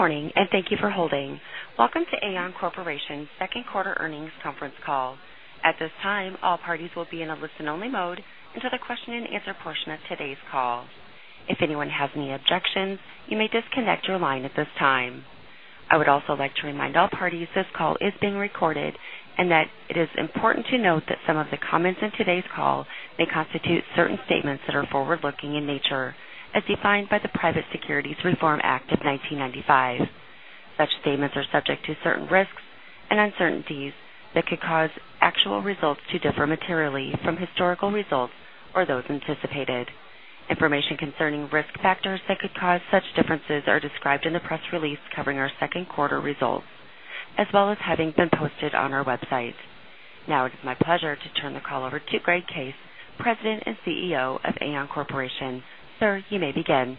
Good morning, and thank you for holding. Welcome to Aon Corporation's second quarter earnings conference call. At this time, all parties will be in a listen-only mode until the question and answer portion of today's call. If anyone has any objections, you may disconnect your line at this time. I would also like to remind all parties this call is being recorded, and that it is important to note that some of the comments in today's call may constitute certain statements that are forward-looking in nature, as defined by the Private Securities Litigation Reform Act of 1995. Such statements are subject to certain risks and uncertainties that could cause actual results to differ materially from historical results or those anticipated. Information concerning risk factors that could cause such differences are described in the press release covering our second quarter results, as well as having been posted on our website. It is my pleasure to turn the call over to Greg Case, President and Chief Executive Officer of Aon Corporation. Sir, you may begin.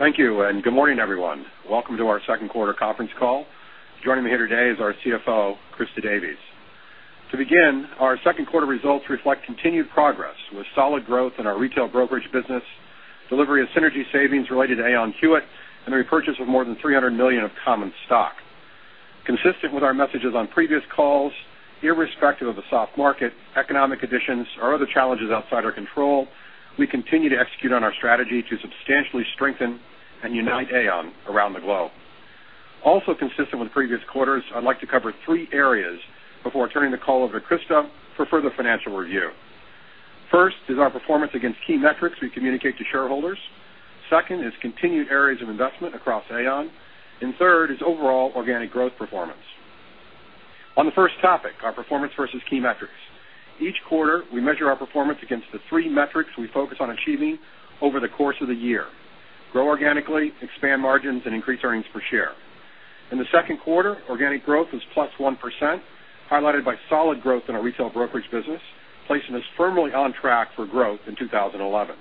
Thank you, good morning, everyone. Welcome to our second quarter conference call. Joining me here today is our Chief Financial Officer, Christa Davies. To begin, our second quarter results reflect continued progress with solid growth in our retail brokerage business, delivery of synergy savings related to Aon Hewitt, and the repurchase of more than $300 million of common stock. Consistent with our messages on previous calls, irrespective of the soft market, economic conditions, or other challenges outside our control, we continue to execute on our strategy to substantially strengthen and unite Aon around the globe. Consistent with previous quarters, I'd like to cover three areas before turning the call over to Christa for further financial review. First is our performance against key metrics we communicate to shareholders. Second is continued areas of investment across Aon. Third is overall organic growth performance. On the first topic, our performance versus key metrics. Each quarter, we measure our performance against the three metrics we focus on achieving over the course of the year, grow organically, expand margins, and increase earnings per share. In the second quarter, organic growth was +1%, highlighted by solid growth in our retail brokerage business, placing us firmly on track for growth in 2011.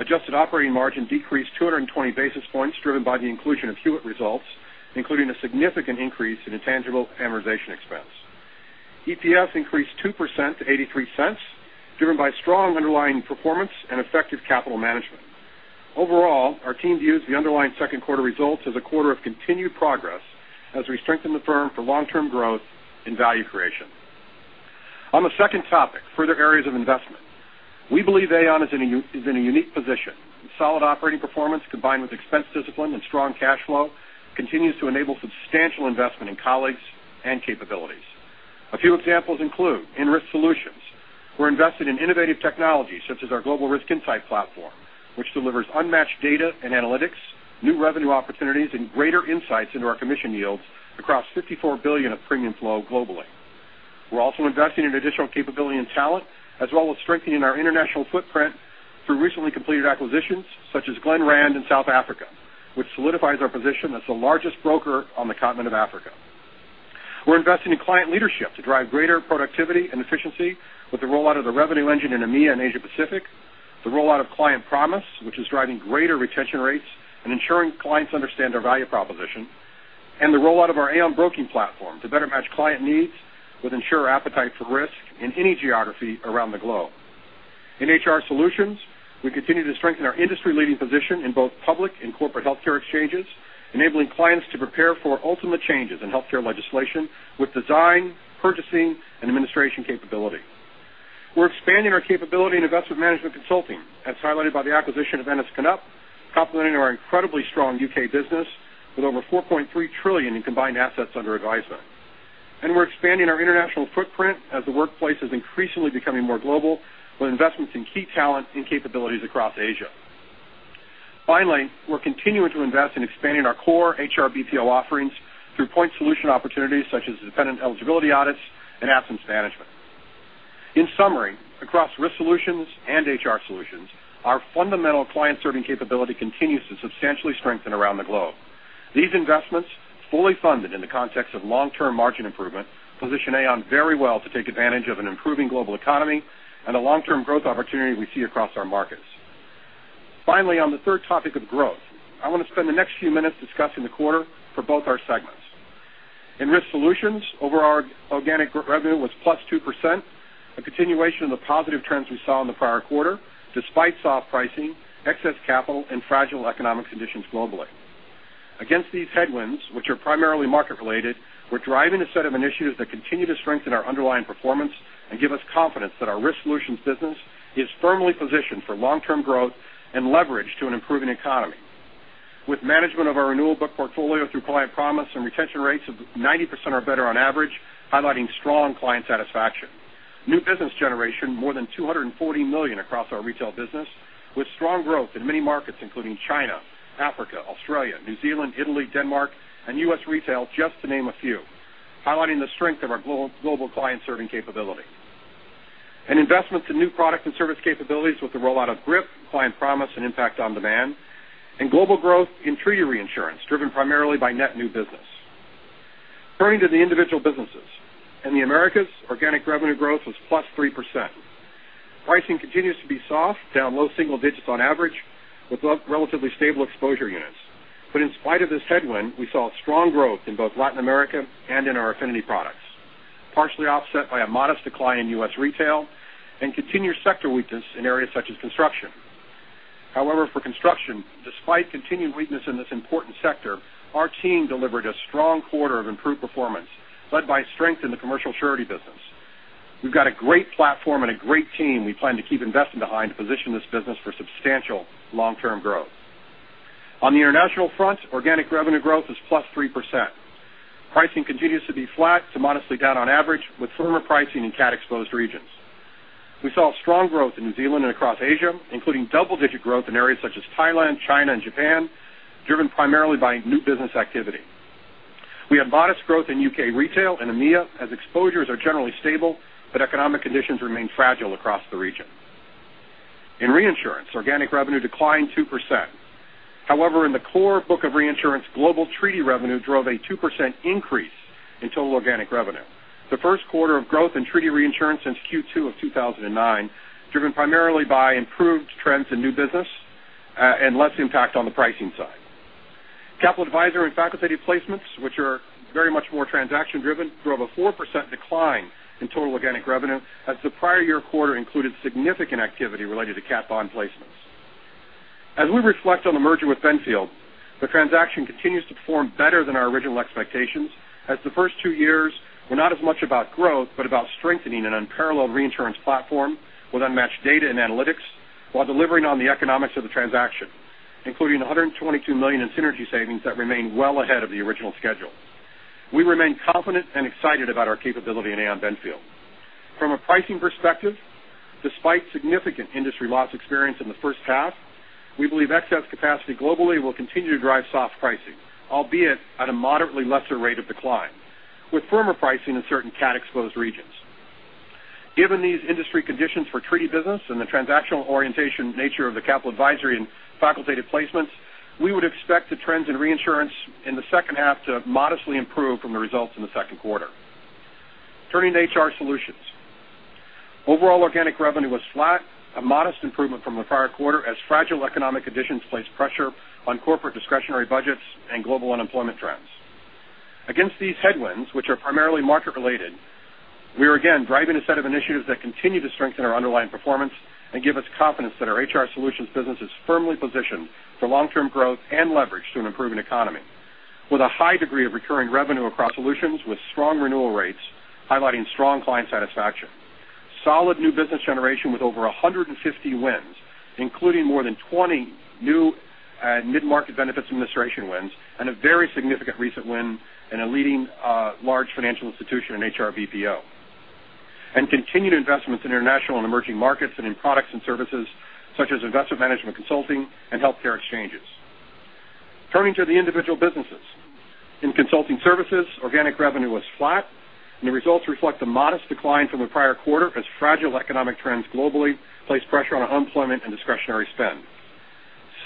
Adjusted operating margin decreased 220 basis points driven by the inclusion of Hewitt results, including a significant increase in intangible amortization expense. EPS increased +2% to $0.83, driven by strong underlying performance and effective capital management. Overall, our team views the underlying second quarter results as a quarter of continued progress as we strengthen the firm for long-term growth and value creation. On the second topic, further areas of investment. We believe Aon is in a unique position. Solid operating performance combined with expense discipline and strong cash flow continues to enable substantial investment in colleagues and capabilities. A few examples include in Risk Solutions, we're invested in innovative technology such as our Global Risk Insight Platform, which delivers unmatched data and analytics, new revenue opportunities, and greater insights into our commission yields across $54 billion of premium flow globally. We're also investing in additional capability and talent as well as strengthening our international footprint through recently completed acquisitions such as Glenrand in South Africa, which solidifies our position as the largest broker on the continent of Africa. We're investing in client leadership to drive greater productivity and efficiency with the rollout of the revenue engine in EMEA and Asia Pacific, the rollout of Client Promise, which is driving greater retention rates and ensuring clients understand our value proposition, and the rollout of our Aon Broking platform to better match client needs with insurer appetite for risk in any geography around the globe. In HR Solutions, we continue to strengthen our industry-leading position in both public and corporate healthcare exchanges, enabling clients to prepare for ultimate changes in healthcare legislation with design, purchasing, and administration capability. We're expanding our capability in investment management consulting, as highlighted by the acquisition of Ennis Knupp, complementing our incredibly strong U.K. business with over $4.3 trillion in combined assets under advisement. We're expanding our international footprint as the workplace is increasingly becoming more global with investments in key talent and capabilities across Asia. Finally, we're continuing to invest in expanding our core HR BPO offerings through point solution opportunities such as dependent eligibility audits and absence management. In summary, across Risk Solutions and HR Solutions, our fundamental client-serving capability continues to substantially strengthen around the globe. These investments, fully funded in the context of long-term margin improvement, position Aon very well to take advantage of an improving global economy and the long-term growth opportunity we see across our markets. Finally, on the third topic of growth, I want to spend the next few minutes discussing the quarter for both our segments. In Risk Solutions, overall organic revenue was +2%, a continuation of the positive trends we saw in the prior quarter, despite soft pricing, excess capital, and fragile economic conditions globally. Against these headwinds, which are primarily market related, we're driving a set of initiatives that continue to strengthen our underlying performance and give us confidence that our Risk Solutions business is firmly positioned for long-term growth and leverage to an improving economy. With management of our renewal book portfolio through Client Promise and retention rates of 90% or better on average, highlighting strong client satisfaction. New business generation, more than $240 million across our retail business, with strong growth in many markets including China, Africa, Australia, New Zealand, Italy, Denmark, and U.S. retail, just to name a few, highlighting the strength of our global client-serving capability. An investment to new product and service capabilities with the rollout of GRIP, Client Promise, and Impact on Demand, and global growth in treaty reinsurance, driven primarily by net new business. Turning to the individual businesses. In the Americas, organic revenue growth was +3%. Pricing continues to be soft, down low single digits on average, with relatively stable exposure units. In spite of this headwind, we saw strong growth in both Latin America and in our affinity products. Partially offset by a modest decline in U.S. retail and continued sector weakness in areas such as construction. For construction, despite continued weakness in this important sector, our team delivered a strong quarter of improved performance led by strength in the commercial surety business. We've got a great platform and a great team we plan to keep investing behind to position this business for substantial long-term growth. On the international front, organic revenue growth is +3%. Pricing continues to be flat to modestly down on average with firmer pricing in cat-exposed regions. We saw strong growth in New Zealand and across Asia, including double-digit growth in areas such as Thailand, China, and Japan, driven primarily by new business activity. We have modest growth in U.K. retail and EMEA, as exposures are generally stable, but economic conditions remain fragile across the region. In reinsurance, organic revenue declined 2%. In the core book of reinsurance, global treaty revenue drove a 2% increase in total organic revenue. The first quarter of growth in treaty reinsurance since Q2 of 2009, driven primarily by improved trends in new business, and less impact on the pricing side. Capital advisory and facultative placements, which are very much more transaction-driven, drove a 4% decline in total organic revenue as the prior year quarter included significant activity related to cat bond placements. We reflect on the merger with Benfield, the transaction continues to perform better than our original expectations as the first two years were not as much about growth, but about strengthening an unparalleled reinsurance platform with unmatched data and analytics while delivering on the economics of the transaction, including $122 million in synergy savings that remain well ahead of the original schedule. We remain confident and excited about our capability in Aon Benfield. A pricing perspective, despite significant industry loss experience in the first half, we believe excess capacity globally will continue to drive soft pricing, albeit at a moderately lesser rate of decline, with firmer pricing in certain cat-exposed regions. These industry conditions for treaty business and the transactional orientation nature of the capital advisory and facultative placements, we would expect the trends in reinsurance in the second half to modestly improve from the results in the second quarter. HR Solutions. Overall organic revenue was flat, a modest improvement from the prior quarter, as fragile economic conditions placed pressure on corporate discretionary budgets and global unemployment trends. Against these headwinds, which are primarily market-related, we are again driving a set of initiatives that continue to strengthen our underlying performance and give us confidence that our HR Solutions business is firmly positioned for long-term growth and leverage to an improving economy with a high degree of recurring revenue across solutions with strong renewal rates, highlighting strong client satisfaction, solid new business generation with over 150 wins, including more than 20 new mid-market benefits administration wins, and a very significant recent win in a leading large financial institution in HR BPO, and continued investments in international and emerging markets and in products and services such as Investment Management Consulting and healthcare exchanges. Turning to the individual businesses. In consulting services, organic revenue was flat, and the results reflect a modest decline from the prior quarter as fragile economic trends globally place pressure on unemployment and discretionary spend.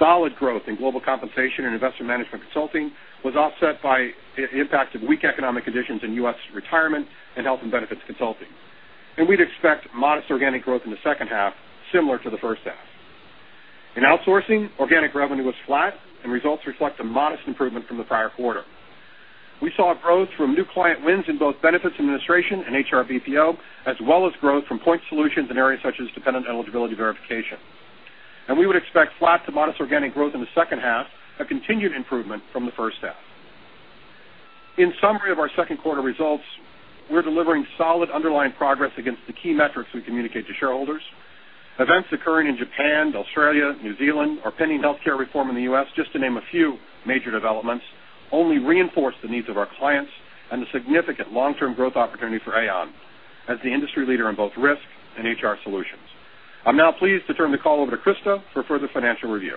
Solid growth in global compensation and Investment Management Consulting was offset by the impact of weak economic conditions in U.S. retirement and health and benefits consulting. We'd expect modest organic growth in the second half, similar to the first half. In outsourcing, organic revenue was flat and results reflect a modest improvement from the prior quarter. We saw growth from new client wins in both benefits administration and HR BPO, as well as growth from point solutions in areas such as dependent eligibility verification. We would expect flat to modest organic growth in the second half, a continued improvement from the first half. In summary of our second quarter results, we're delivering solid underlying progress against the key metrics we communicate to shareholders. Events occurring in Japan, Australia, New Zealand are pending healthcare reform in the U.S., just to name a few major developments, only reinforce the needs of our clients and the significant long-term growth opportunity for Aon as the industry leader in both risk and HR solutions. I'm now pleased to turn the call over to Christa for further financial review.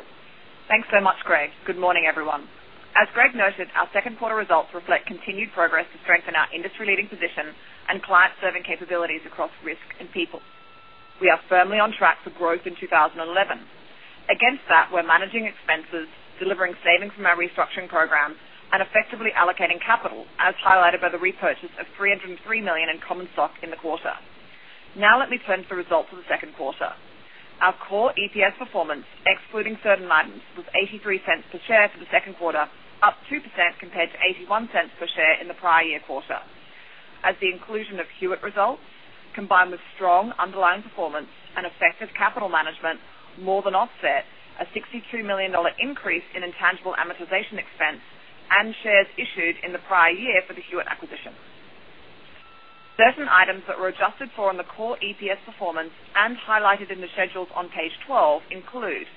Thanks so much, Greg. Good morning, everyone. As Greg noted, our second quarter results reflect continued progress to strengthen our industry-leading position and client-serving capabilities across risk and people. We are firmly on track for growth in 2011. Against that, we're managing expenses, delivering savings from our restructuring programs, and effectively allocating capital, as highlighted by the repurchase of $303 million in common stock in the quarter. Now let me turn to the results of the second quarter. Our core EPS performance, excluding certain items, was $0.83 per share for the second quarter, up 2% compared to $0.81 per share in the prior year quarter. As the inclusion of Hewitt results, combined with strong underlying performance and effective capital management more than offset a $62 million increase in intangible amortization expense and shares issued in the prior year for the Hewitt acquisition. Certain items that were adjusted for in the core EPS performance and highlighted in the schedules on page 12 include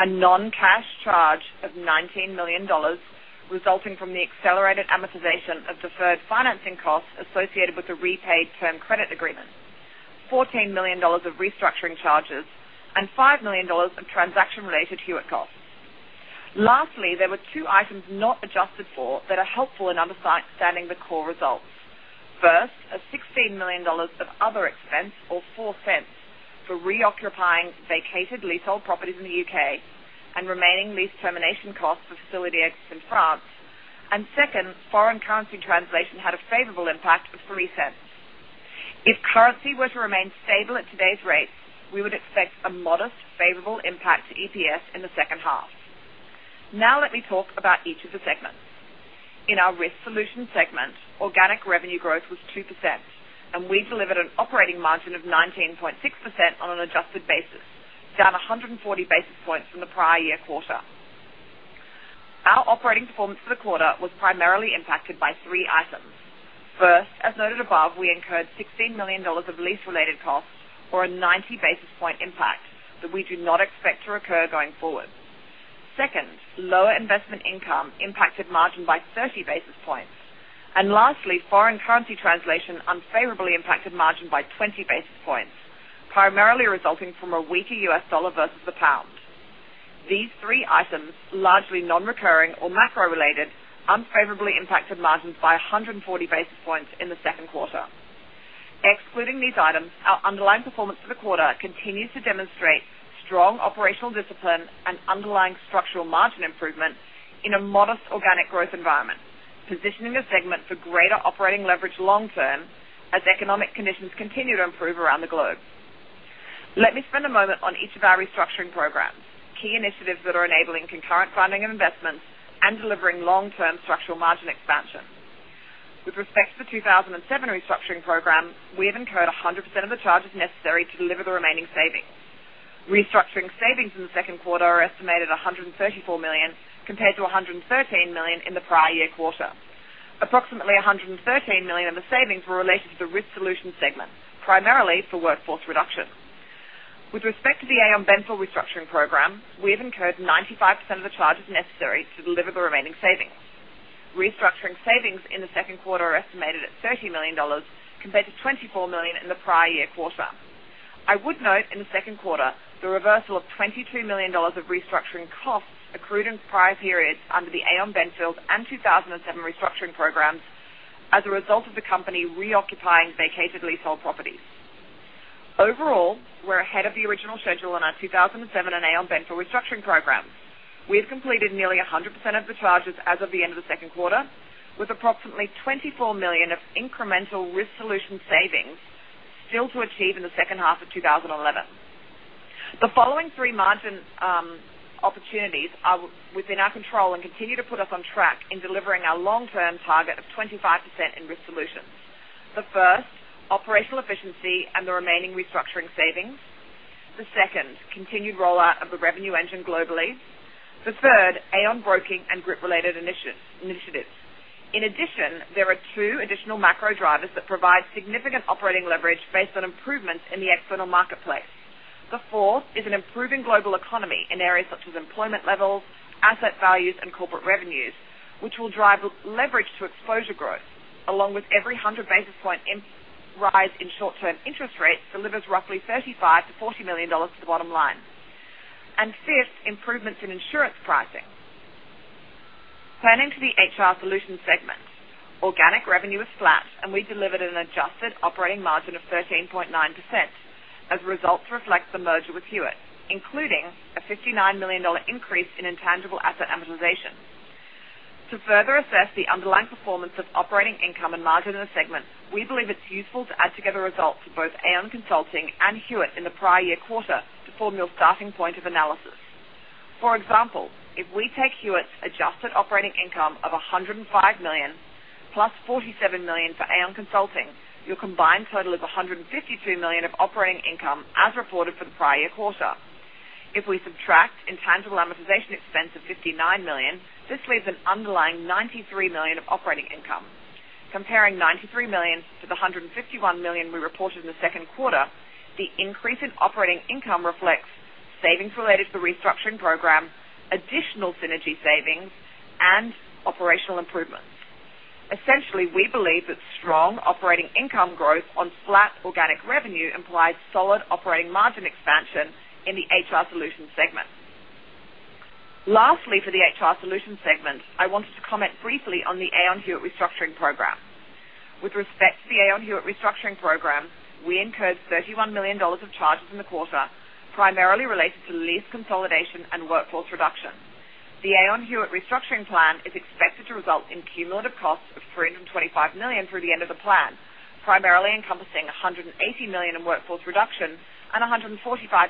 a non-cash charge of $19 million resulting from the accelerated amortization of deferred financing costs associated with the repaid term credit agreement, $14 million of restructuring charges, and $5 million of transaction-related Hewitt costs. Lastly, there were two items not adjusted for that are helpful in understanding the core results. First, a $16 million of other expense or $0.04 for reoccupying vacated leasehold properties in the U.K. and remaining lease termination costs for facility exits in France. Second, foreign currency translation had a favorable impact of $0.03. If currency were to remain stable at today's rates, we would expect a modest favorable impact to EPS in the second half. Let me talk about each of the segments. In our Risk Solutions segment, organic revenue growth was 2%, and we delivered an operating margin of 19.6% on an adjusted basis, down 140 basis points from the prior year quarter. Our operating performance for the quarter was primarily impacted by three items. First, as noted above, we incurred $16 million of lease-related costs or a 90 basis point impact that we do not expect to recur going forward. Second, lower investment income impacted margin by 30 basis points. Lastly, foreign currency translation unfavorably impacted margin by 20 basis points, primarily resulting from a weaker U.S. dollar versus the pound. These three items, largely non-recurring or macro related, unfavorably impacted margins by 140 basis points in the second quarter. Excluding these items, our underlying performance for the quarter continues to demonstrate strong operational discipline and underlying structural margin improvement in a modest organic growth environment, positioning the segment for greater operating leverage long term as economic conditions continue to improve around the globe. Let me spend a moment on each of our restructuring programs, key initiatives that are enabling concurrent funding and investments and delivering long-term structural margin expansion. With respect to the 2007 restructuring program, we have incurred 100% of the charges necessary to deliver the remaining savings. Restructuring savings in the second quarter are estimated at $134 million, compared to $113 million in the prior year quarter. Approximately $113 million of the savings were related to the Risk Solutions segment, primarily for workforce reduction. With respect to the Aon Benfield restructuring program, we have incurred 95% of the charges necessary to deliver the remaining savings. Restructuring savings in the second quarter are estimated at $30 million, compared to $24 million in the prior year quarter. I would note in the second quarter the reversal of $22 million of restructuring costs accrued in prior periods under the Aon Benfield and 2007 restructuring programs as a result of the company reoccupying vacated leasehold properties. Overall, we're ahead of the original schedule on our 2007 and Aon Benfield restructuring programs. We have completed nearly 100% of the charges as of the end of the second quarter, with approximately $24 million of incremental Risk Solutions savings still to achieve in the second half of 2011. The following three margin opportunities are within our control and continue to put us on track in delivering our long-term target of 25% in Risk Solutions. The first, operational efficiency and the remaining restructuring savings. The second, continued rollout of the revenue engine globally. The third, Aon Broking and group related initiatives. In addition, there are two additional macro drivers that provide significant operating leverage based on improvements in the external marketplace. The fourth is an improving global economy in areas such as employment levels, asset values, and corporate revenues, which will drive leverage to exposure growth, along with every 100 basis point rise in short-term interest rates delivers roughly $35 million-$40 million to the bottom line. Fifth, improvements in insurance pricing. Turning to the HR Solutions segment. Organic revenue is flat, and we delivered an adjusted operating margin of 13.9% as results reflect the merger with Hewitt, including a $59 million increase in intangible asset amortization. To further assess the underlying performance of operating income and margin in the segment, we believe it's useful to add together results for both Aon Consulting and Hewitt in the prior year quarter to form your starting point of analysis. For example, if we take Hewitt's adjusted operating income of $105 million plus $47 million for Aon Consulting, your combined total of $152 million of operating income as reported for the prior year quarter. If we subtract intangible amortization expense of $59 million, this leaves an underlying $93 million of operating income. Comparing $93 million to the $151 million we reported in the second quarter, the increase in operating income reflects savings related to the restructuring program, additional synergy savings, and operational improvements. Essentially, we believe that strong operating income growth on flat organic revenue implies solid operating margin expansion in the HR Solutions segment. Lastly, for the HR Solutions segment, I wanted to comment briefly on the Aon Hewitt restructuring program. With respect to the Aon Hewitt restructuring program, we incurred $31 million of charges in the quarter, primarily related to lease consolidation and workforce reduction. The Aon Hewitt restructuring plan is expected to result in cumulative costs of $325 million through the end of the plan, primarily encompassing $180 million in workforce reductions and $145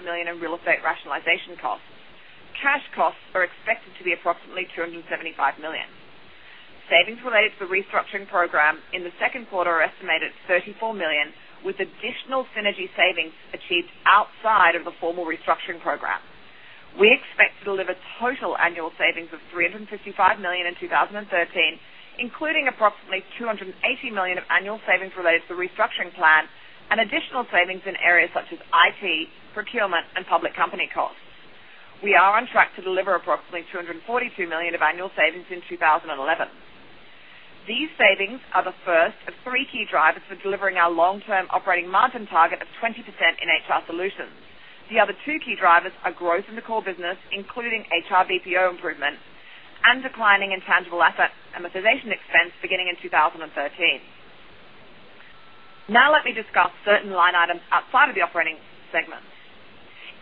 million in real estate rationalization costs. Cash costs are expected to be approximately $275 million. Savings related to the restructuring program in the second quarter are estimated at $34 million, with additional synergy savings achieved outside of the formal restructuring program. We expect to deliver total annual savings of $355 million in 2013, including approximately $280 million of annual savings related to the restructuring plan and additional savings in areas such as IT, procurement, and public company costs. We are on track to deliver approximately $242 million of annual savings in 2011. These savings are the first of three key drivers for delivering our long-term operating margin target of 20% in HR Solutions. The other two key drivers are growth in the core business, including HR BPO improvements, and declining intangible asset amortization expense beginning in 2013. Let me discuss certain line items outside of the operating segments.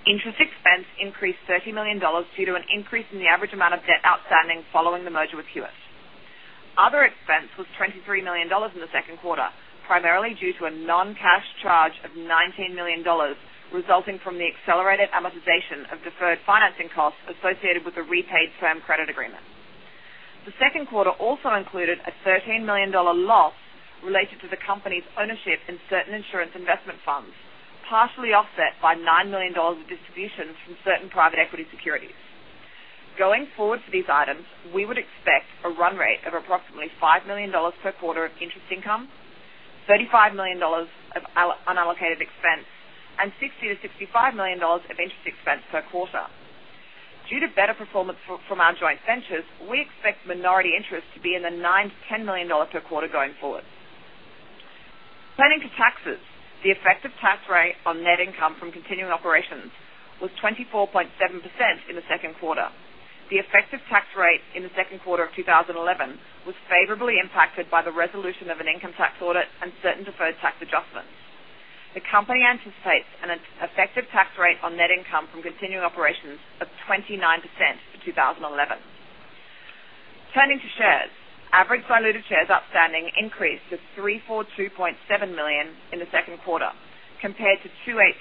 Interest expense increased $30 million due to an increase in the average amount of debt outstanding following the merger with Hewitt. Other expense was $23 million in the second quarter, primarily due to a non-cash charge of $19 million, resulting from the accelerated amortization of deferred financing costs associated with the repaid term credit agreement. The second quarter also included a $13 million loss related to the company's ownership in certain insurance investment funds, partially offset by $9 million of distributions from certain private equity securities. Going forward for these items, we would expect a run rate of approximately $5 million per quarter of interest income, $35 million of unallocated expense, and $60 million-$65 million of interest expense per quarter. Due to better performance from our joint ventures, we expect minority interest to be in the $9 million-$10 million per quarter going forward. Turning to taxes, the effective tax rate on net income from continuing operations was 24.7% in the second quarter. The effective tax rate in the second quarter of 2011 was favorably impacted by the resolution of an income tax audit and certain deferred tax adjustments. The company anticipates an effective tax rate on net income from continuing operations of 29% for 2011. Turning to shares, average diluted shares outstanding increased to 342.7 million in the second quarter, compared to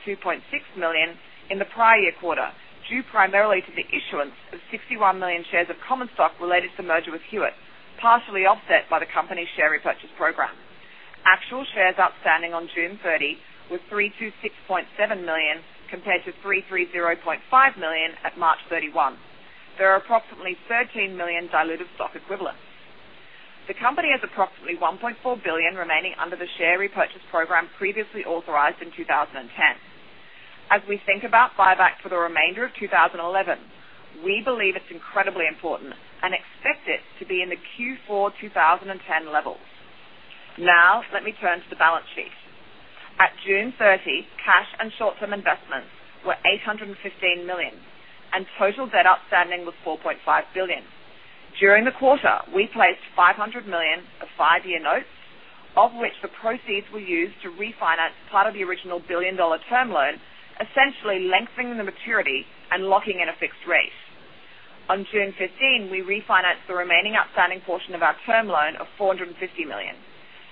282.6 million in the prior year quarter, due primarily to the issuance of 61 million shares of common stock related to the merger with Hewitt, partially offset by the company's share repurchase program. Actual shares outstanding on June 30 were 326.7 million, compared to 330.5 million at March 31. There are approximately 13 million diluted stock equivalents. The company has approximately $1.4 billion remaining under the share repurchase program previously authorized in 2010. Now, as we think about buyback for the remainder of 2011, we believe it's incredibly important and expect it to be in the Q4 2010 levels. Now, let me turn to the balance sheet. At June 30, cash and short-term investments were $815 million, and total debt outstanding was $4.5 billion. During the quarter, we placed $500 million of five-year notes, of which the proceeds were used to refinance part of the original billion-dollar term loan, essentially lengthening the maturity and locking in a fixed rate. On June 15, we refinanced the remaining outstanding portion of our term loan of $450 million,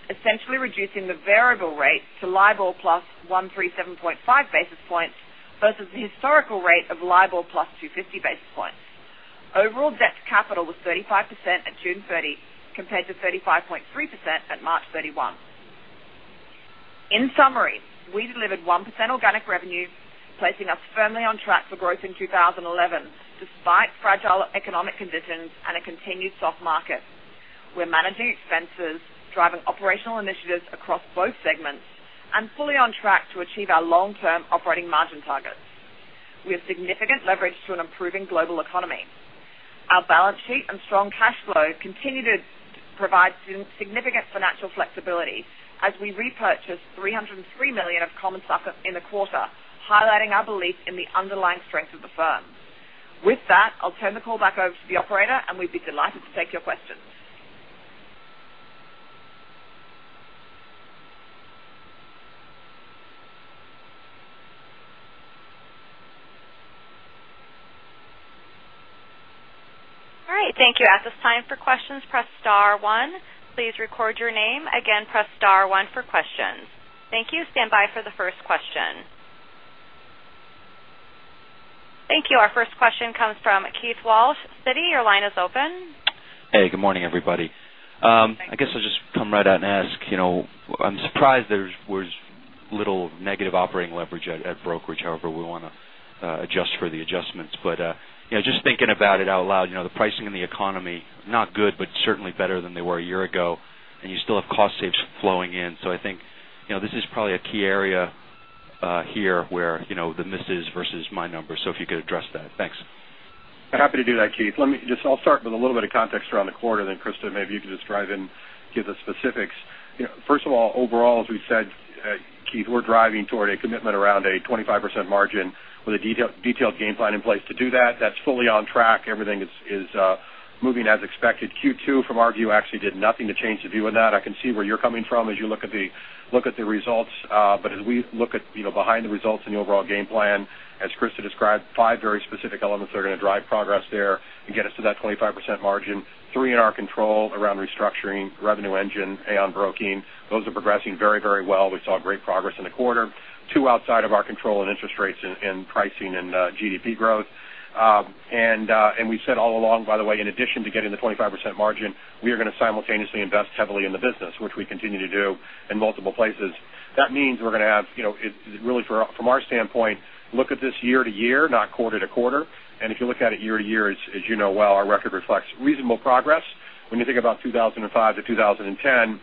essentially reducing the variable rate to LIBOR plus 137.5 basis points versus the historical rate of LIBOR plus 250 basis points. Overall debt to capital was 35% at June 30, compared to 35.3% at March 31. In summary, we delivered 1% organic revenues, placing us firmly on track for growth in 2011, despite fragile economic conditions and a continued soft market. We're managing expenses, driving operational initiatives across both segments, and fully on track to achieve our long-term operating margin targets. We have significant leverage to an improving global economy. Our balance sheet and strong cash flow continue to provide significant financial flexibility as we repurchased $303 million of common stock in the quarter, highlighting our belief in the underlying strength of the firm. With that, I'll turn the call back over to the operator, and we'd be delighted to take your questions. All right. Thank you. At this time for questions, press star one. Please record your name. Again, press star one for questions. Thank you. Stand by for the first question. Thank you. Our first question comes from Keith Walsh, Citi. Your line is open. Hey, good morning, everybody. I guess I'll just come right out and ask. I'm surprised there was little negative operating leverage at brokerage. We want to adjust for the adjustments. Just thinking about it out loud, the pricing and the economy, not good, but certainly better than they were a year ago, and you still have cost saves flowing in. I think this is probably a key area here where the misses versus my numbers. If you could address that. Thanks. Happy to do that, Keith. I'll start with a little bit of context around the quarter, then Christa Davies, maybe you can just drive in, give the specifics. First of all, overall, as we said, Keith, we're driving toward a commitment around a 25% margin with a detailed game plan in place to do that. That's fully on track. Everything is moving as expected. Q2, from our view, actually did nothing to change the view on that. I can see where you're coming from as you look at the results. As we look at behind the results and the overall game plan, as Christa Davies described, five very specific elements that are going to drive progress there and get us to that 25% margin. Three in our control around restructuring Revenue Engine, Aon Broking. Those are progressing very well. We saw great progress in the quarter. Two outside of our control in interest rates and pricing and GDP growth. We've said all along, by the way, in addition to getting the 25% margin, we are going to simultaneously invest heavily in the business, which we continue to do in multiple places. That means we're going to have, really from our standpoint, look at this year-to-year, not quarter-to-quarter. If you look at it year-to-year, as you know well, our record reflects reasonable progress. When you think about 2005 to 2010,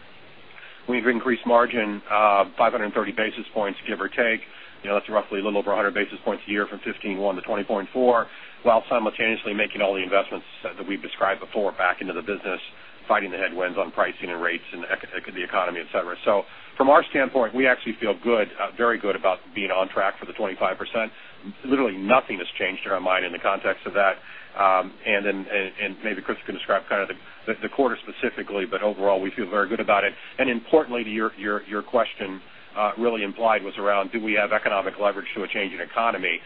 we've increased margin 530 basis points, give or take. That's roughly a little over 100 basis points a year from 15.1 to 20.4, while simultaneously making all the investments that we've described before back into the business. Fighting the headwinds on pricing and rates and the economy, et cetera. From our standpoint, we actually feel very good about being on track for the 25%. Literally nothing has changed in our mind in the context of that. Maybe Christa can describe the quarter specifically, but overall, we feel very good about it. Importantly, to your question really implied was around do we have economic leverage to a changing economy?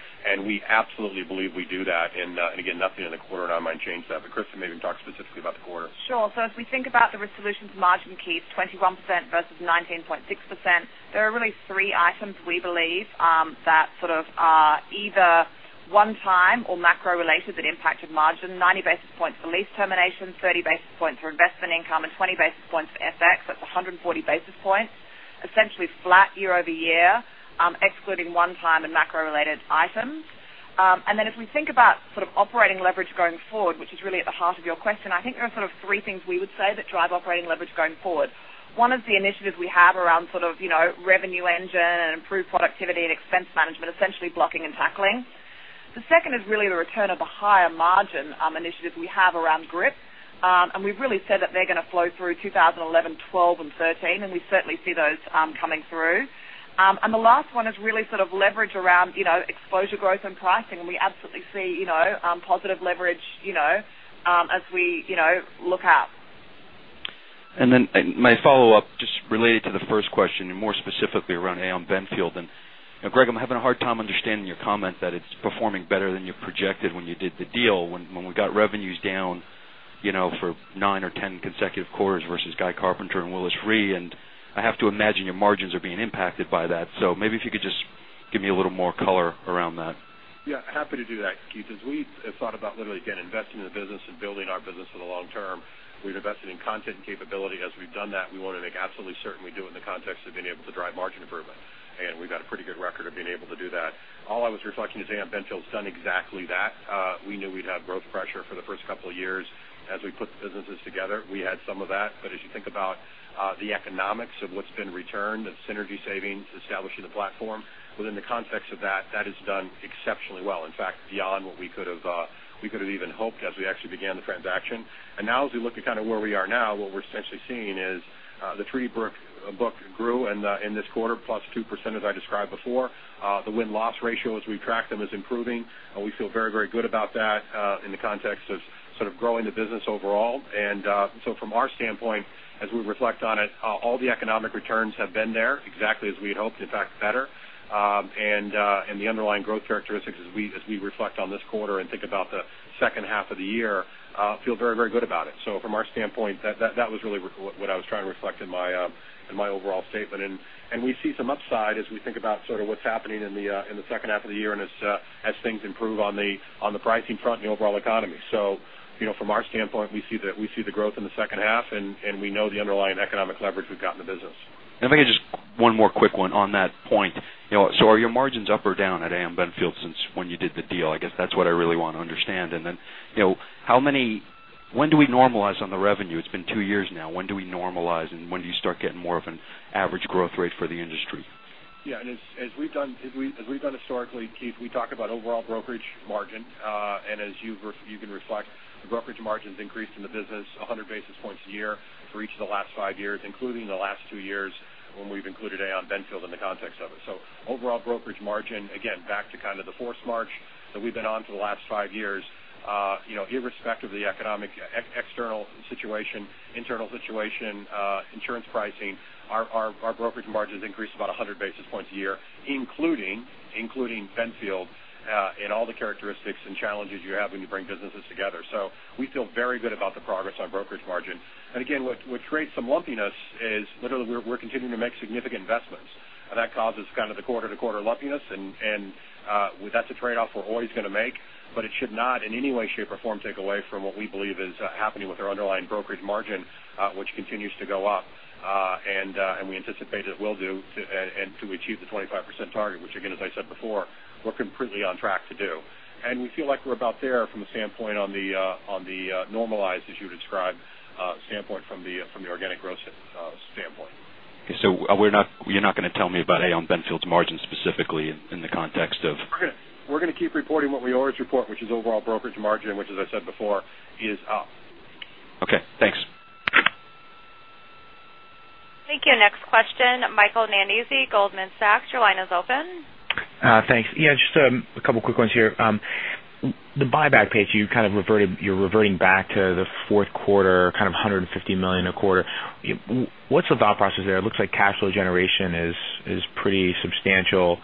We absolutely believe we do that. Again, nothing in the quarter in our mind changed that. Christa, maybe talk specifically about the quarter. Sure. As we think about the Aon Risk Solutions margin, Keith, 21% versus 19.6%, there are really three items we believe that sort of are either one-time or macro related that impacted margin. 90 basis points for lease termination, 30 basis points for investment income, and 20 basis points for FX. That's 140 basis points, essentially flat year-over-year, excluding one-time and macro related items. As we think about sort of operating leverage going forward, which is really at the heart of your question, I think there are sort of three things we would say that drive operating leverage going forward. One is the initiatives we have around sort of Revenue Engine and improved productivity and expense management, essentially blocking and tackling. The second is really the return of a higher margin initiatives we have around GRIP. We've really said that they're going to flow through 2011, 2012, and 2013, and we certainly see those coming through. The last one is really sort of leverage around exposure growth and pricing. We absolutely see positive leverage as we look out. My follow-up, just related to the first question and more specifically around Aon Benfield. Greg, I'm having a hard time understanding your comment that it's performing better than you projected when you did the deal, when we've got revenues down for nine or 10 consecutive quarters versus Guy Carpenter and Willis Re. I have to imagine your margins are being impacted by that. Maybe if you could just give me a little more color around that. Yeah, happy to do that, Keith. As we thought about literally, again, investing in the business and building our business for the long term, we've invested in content and capability. As we've done that, we want to make absolutely certain we do it in the context of being able to drive margin improvement. We've got a pretty good record of being able to do that. All I was reflecting is Aon Benfield's done exactly that. We knew we'd have growth pressure for the first couple of years as we put the businesses together. We had some of that. As you think about the economics of what's been returned, the synergy savings, establishing the platform within the context of that has done exceptionally well. In fact, beyond what we could've even hoped as we actually began the transaction. Now as we look at kind of where we are now, what we're essentially seeing is the treaty book grew in this quarter, plus 2%, as I described before. The win-loss ratio as we track them is improving, we feel very good about that in the context of sort of growing the business overall. From our standpoint, as we reflect on it, all the economic returns have been there exactly as we had hoped, in fact, better. The underlying growth characteristics as we reflect on this quarter and think about the second half of the year, feel very good about it. From our standpoint, that was really what I was trying to reflect in my overall statement. We see some upside as we think about sort of what's happening in the second half of the year and as things improve on the pricing front and the overall economy. From our standpoint, we see the growth in the second half, and we know the underlying economic leverage we've got in the business. If I could just, one more quick one on that point. Are your margins up or down at Aon Benfield since when you did the deal? I guess that's what I really want to understand. When do we normalize on the revenue? It's been 2 years now. When do we normalize, and when do you start getting more of an average growth rate for the industry? Yeah. As we've done historically, Keith, we talk about overall brokerage margin. As you can reflect, the brokerage margins increased in the business 100 basis points a year for each of the last five years, including the last two years when we've included Aon Benfield in the context of it. Overall brokerage margin, again, back to kind of the force march that we've been on for the last five years. Irrespective of the economic external situation, internal situation, insurance pricing, our brokerage margins increased about 100 basis points a year, including Benfield, and all the characteristics and challenges you have when you bring businesses together. We feel very good about the progress on brokerage margin. Again, what creates some lumpiness is literally we're continuing to make significant investments, and that causes kind of the quarter-to-quarter lumpiness, and that's a trade-off we're always going to make, but it should not in any way, shape, or form, take away from what we believe is happening with our underlying brokerage margin, which continues to go up. We anticipate it will do to achieve the 25% target, which again, as I said before, we're completely on track to do. We feel like we're about there from a standpoint on the normalized, as you described, standpoint from the organic growth standpoint. Okay. You're not going to tell me about Aon Benfield's margin specifically in the context of- We're going to keep reporting what we always report, which is overall brokerage margin, which as I said before, is up. Okay, thanks. Thank you. Next question, Michael Nannizzi, Goldman Sachs, your line is open. Thanks. Just a couple quick ones here. The buyback pace, you're reverting back to the fourth quarter, kind of $150 million a quarter. What's the thought process there? It looks like cash flow generation is pretty substantial.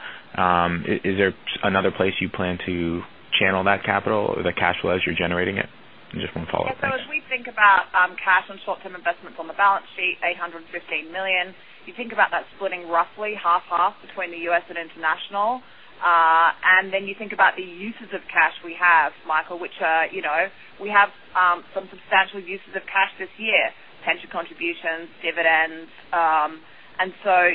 Is there another place you plan to channel that capital or the cash flow as you're generating it? Just one follow-up question. As we think about cash and short-term investments on the balance sheet, $815 million, you think about that splitting roughly half half between the U.S. and international. Then you think about the uses of cash we have, Michael, which are we have some substantial uses of cash this year, pension contributions, dividends. So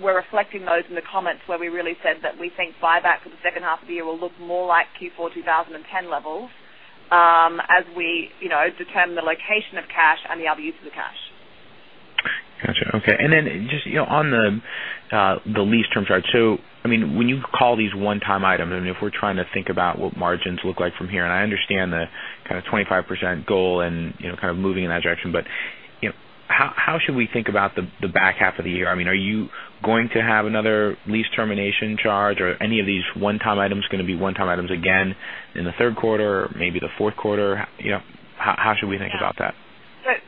we're reflecting those in the comments where we really said that we think buyback for the second half of the year will look more like Q4 2010 levels as we determine the location of cash and the other uses of cash. Got you. Okay. Just on the lease term charge. When you call these one-time items, if we are trying to think about what margins look like from here, and I understand the kind of 25% goal and kind of moving in that direction, but how should we think about the back half of the year? Are you going to have another lease termination charge or any of these one-time items going to be one-time items again in the third quarter, maybe the fourth quarter? How should we think about that?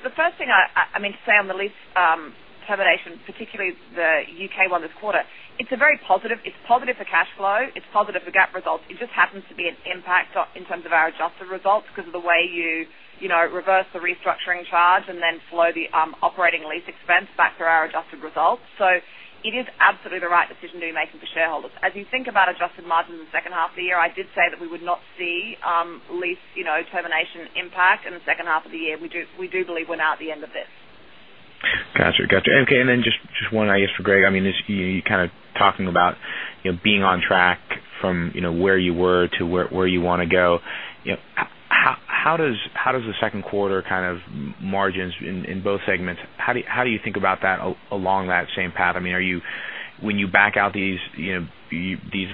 The first thing, I mean, to say on the lease termination, particularly the U.K. one this quarter, it is very positive. It is positive for cash flow. It is positive for GAAP results. It just happens to be an impact in terms of our adjusted results because of the way you reverse the restructuring charge and then flow the operating lease expense back through our adjusted results. It is absolutely the right decision to be making for shareholders. As you think about adjusted margins in the second half of the year, I did say that we would not see lease termination impact in the second half of the year. We do believe we are now at the end of this. Got you. Okay. Just one, I guess, for Greg. You are kind of talking about being on track from where you were to where you want to go. How does the second quarter kind of margins in both segments, how do you think about that along that same path? When you back out these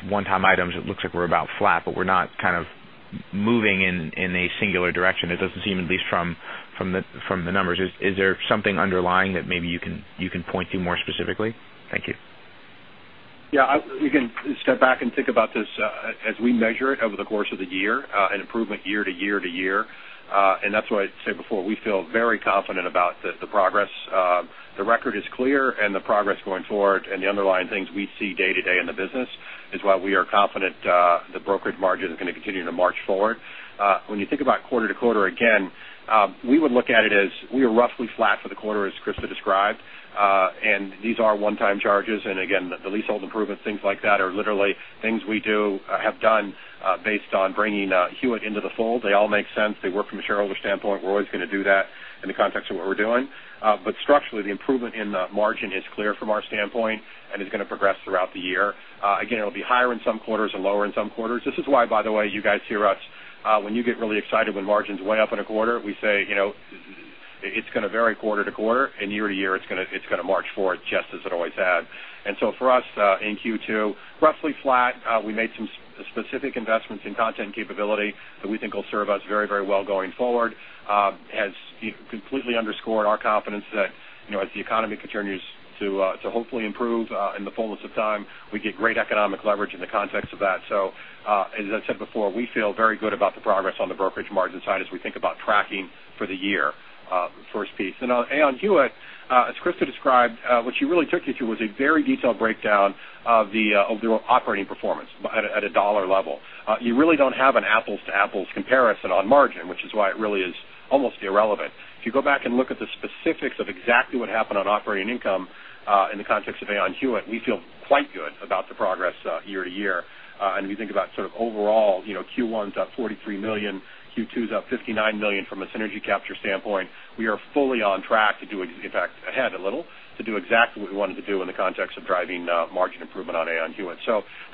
one-time items, it looks like we are about flat, but we are not kind of moving in a singular direction. It does not seem, at least from the numbers. Is there something underlying that maybe you can point to more specifically? Thank you. We can step back and think about this as we measure it over the course of the year, an improvement year-to-year-to-year. That is why I said before, we feel very confident about the progress. The record is clear, and the progress going forward, and the underlying things we see day to day in the business is why we are confident the brokerage margin is going to continue to march forward. When you think about quarter-to-quarter, again, we would look at it as we are roughly flat for the quarter as Christa described. These are one-time charges. Again, the leasehold improvements, things like that are literally things we have done based on bringing Hewitt into the fold. They all make sense. They work from a shareholder standpoint. We are always going to do that in the context of what we are doing. Structurally, the improvement in the margin is clear from our standpoint and is going to progress throughout the year. It'll be higher in some quarters and lower in some quarters. This is why, by the way, you guys hear us when you get really excited when margins way up in a quarter, we say, it's going to vary quarter to quarter and year to year, it's going to march forward just as it always has. For us, in Q2, roughly flat. We made some specific investments in content capability that we think will serve us very well going forward. It has completely underscored our confidence that as the economy continues to hopefully improve in the fullness of time, we get great economic leverage in the context of that. As I said before, we feel very good about the progress on the brokerage margin side as we think about tracking for the year. First piece. On Aon Hewitt, as Christa described, what she really took you to was a very detailed breakdown of the operating performance at a $ level. You really don't have an apples-to-apples comparison on margin, which is why it really is almost irrelevant. If you go back and look at the specifics of exactly what happened on operating income in the context of Aon Hewitt, we feel quite good about the progress year to year. If you think about sort of overall, Q1's up $43 million, Q2's up $59 million from a synergy capture standpoint. We are fully on track to do it, in fact, ahead a little, to do exactly what we wanted to do in the context of driving margin improvement on Aon Hewitt.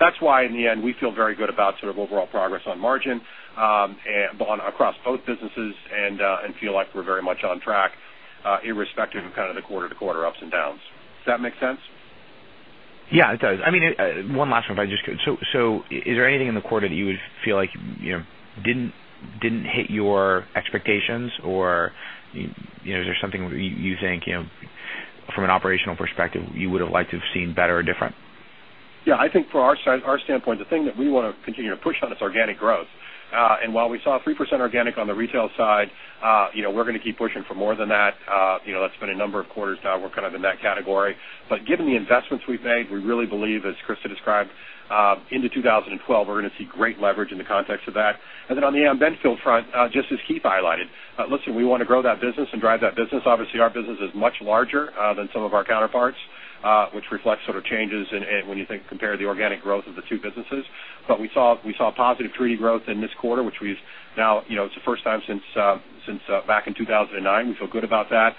That's why in the end, we feel very good about sort of overall progress on margin across both businesses and feel like we're very much on track irrespective of kind of the quarter-to-quarter ups and downs. Does that make sense? Yeah, it does. One last one, if I just could. Is there anything in the quarter that you would feel like didn't hit your expectations or is there something you think from an operational perspective you would have liked to have seen better or different? I think from our standpoint, the thing that we want to continue to push on is organic growth. While we saw 3% organic on the retail side, we're going to keep pushing for more than that. It's been a number of quarters now we're kind of in that category. Given the investments we've made, we really believe, as Christa described, into 2012, we're going to see great leverage in the context of that. Then on the Aon Benfield front, just as Keith highlighted. Listen, we want to grow that business and drive that business. Obviously, our business is much larger than some of our counterparts, which reflects sort of changes when you compare the organic growth of the two businesses. We saw positive treaty growth in this quarter, which it's the first time since back in 2009. We feel good about that.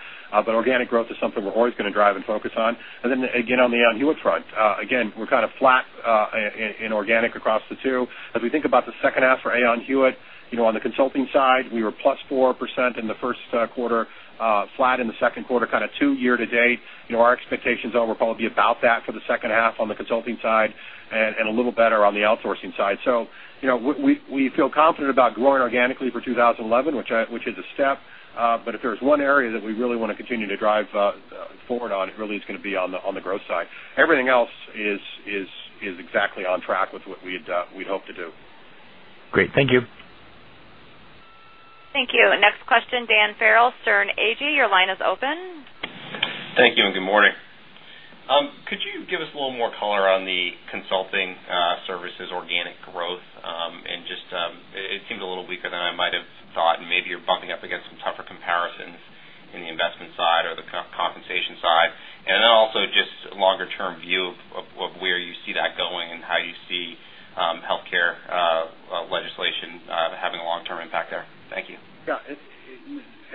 Organic growth is something we're always going to drive and focus on. Then again, on the Aon Hewitt front, again, we're kind of flat in organic across the two. As we think about the second half for Aon Hewitt, on the consulting side, we were +4% in the first quarter, flat in the second quarter, kind of two year to date. Our expectations are we're probably about that for the second half on the consulting side and a little better on the outsourcing side. We feel confident about growing organically for 2011, which is a step. If there's one area that we really want to continue to drive forward on, it really is going to be on the growth side. Everything else is exactly on track with what we'd hope to do. Great. Thank you. Thank you. Next question, Dan Farrell, Sterne Agee, your line is open. Thank you, and good morning. Could you give us a little more color on the consulting services organic growth? It seemed a little weaker than I might have thought, and maybe you're bumping up against some tougher comparisons in the investment side or the compensation side. Also just a longer-term view of where you see that going and how you see healthcare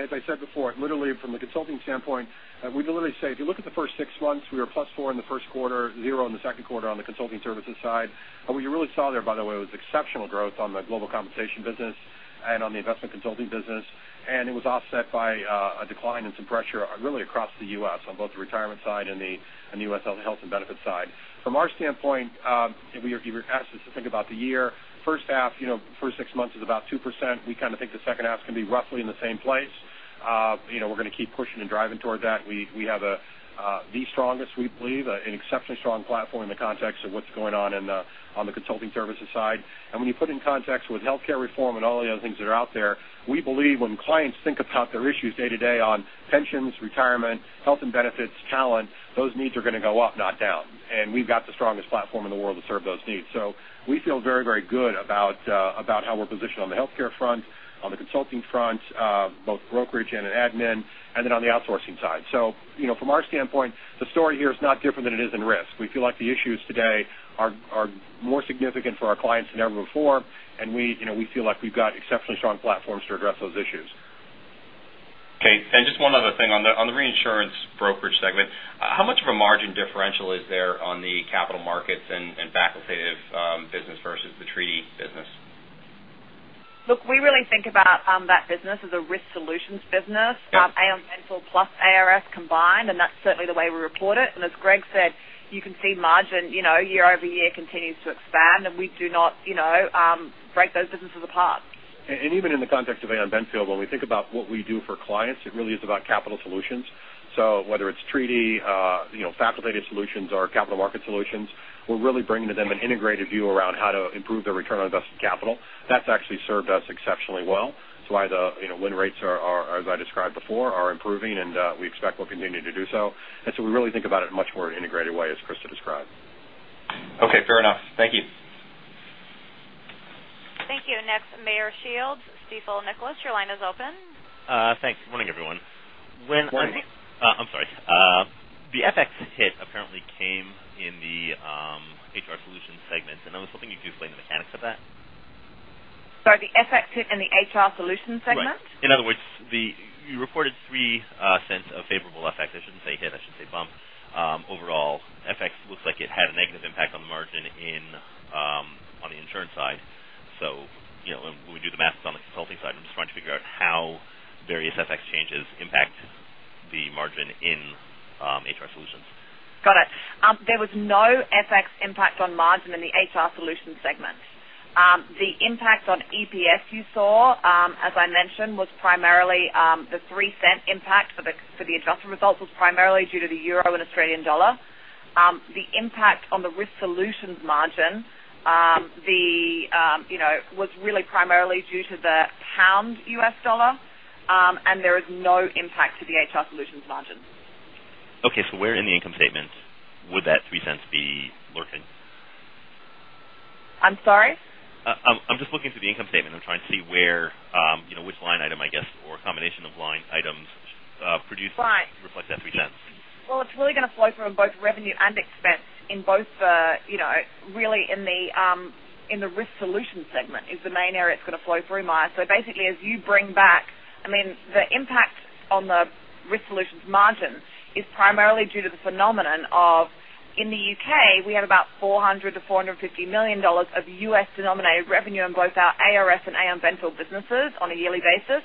As I said before, literally from the consulting standpoint, we deliberately say, if you look at the first 6 months, we were +4 in the first quarter, 0 in the second quarter on the consulting services side. What you really saw there, by the way, was exceptional growth on the global compensation business and on the investment consulting business. It was offset by a decline and some pressure really across the U.S. on both the retirement side and the U.S. health and benefits side. From our standpoint, if you were to ask us to think about the year, first half, first 6 months is about 2%. We think the second half is going to be roughly in the same place. We're going to keep pushing and driving towards that. We have the strongest, we believe, an exceptionally strong platform in the context of what's going on the consulting services side. When you put in context with healthcare reform and all the other things that are out there, we believe when clients think about their issues day to day on pensions, retirement, health and benefits, talent, those needs are going to go up, not down. We've got the strongest platform in the world to serve those needs. We feel very good about how we're positioned on the healthcare front, on the consulting front, both brokerage and in admin, and then on the outsourcing side. From our standpoint, the story here is not different than it is in risk. We feel like the issues today are more significant for our clients than ever before, and we feel like we've got exceptionally strong platforms to address those issues. Okay. Just one other thing. On the reinsurance brokerage segment, how much of a margin differential is there on the capital markets and facultative business versus the treaty business? we really think about that business as a risk solutions business. Yes. Aon Benfield plus ARS combined, that's certainly the way we report it. As Greg said, you can see margin year-over-year continues to expand, we do not break those businesses apart. Even in the context of Aon Benfield, when we think about what we do for clients, it really is about capital solutions. Whether it's treaty, facultative solutions or capital market solutions, we're really bringing to them an integrated view around how to improve their return on invested capital. That's actually served us exceptionally well. It's why the win rates are, as I described before, are improving, we expect we'll continue to do so. We really think about it in a much more integrated way, as Christa described. Fair enough. Thank you. Thank you. Next, Meyer Shields, Stifel Nicolaus, your line is open. Thanks. Good morning, everyone. Good morning. I'm sorry. The FX hit apparently came in the HR Solutions segment. I was hoping you'd explain the mechanics of that. Sorry, the FX hit in the HR Solutions segment? Right. In other words, you reported $0.03 of favorable FX. I shouldn't say hit, I should say bump. Overall, FX looks like it had a negative impact on the margin on the insurance side. When we do the math on the consulting side, I'm just trying to figure out how various FX changes impact the margin in HR Solutions. Got it. There was no FX impact on margin in the HR Solutions segment. The impact on EPS you saw, as I mentioned, was primarily the $0.03 impact for the adjusted results was primarily due to the EUR and Australian dollar. The impact on the Risk Solutions margin was really primarily due to the GBP U.S. dollar, and there is no impact to the HR Solutions margin. Okay. Where in the income statement would that $0.03 be lurking? I'm sorry? I'm just looking through the income statement. I'm trying to see which line item, I guess, or combination of line items. Right reflect that $0.03. Well, it's really going to flow through on both revenue and expense in both the Aon Risk Solutions segment is the main area it's going to flow through, Meyer. Basically, as you bring back, the impact on the Aon Risk Solutions margin is primarily due to the phenomenon of, in the U.K., we have about $400 million to $450 million of U.S.-denominated revenue on both our ARS and Aon Benfield businesses on a yearly basis.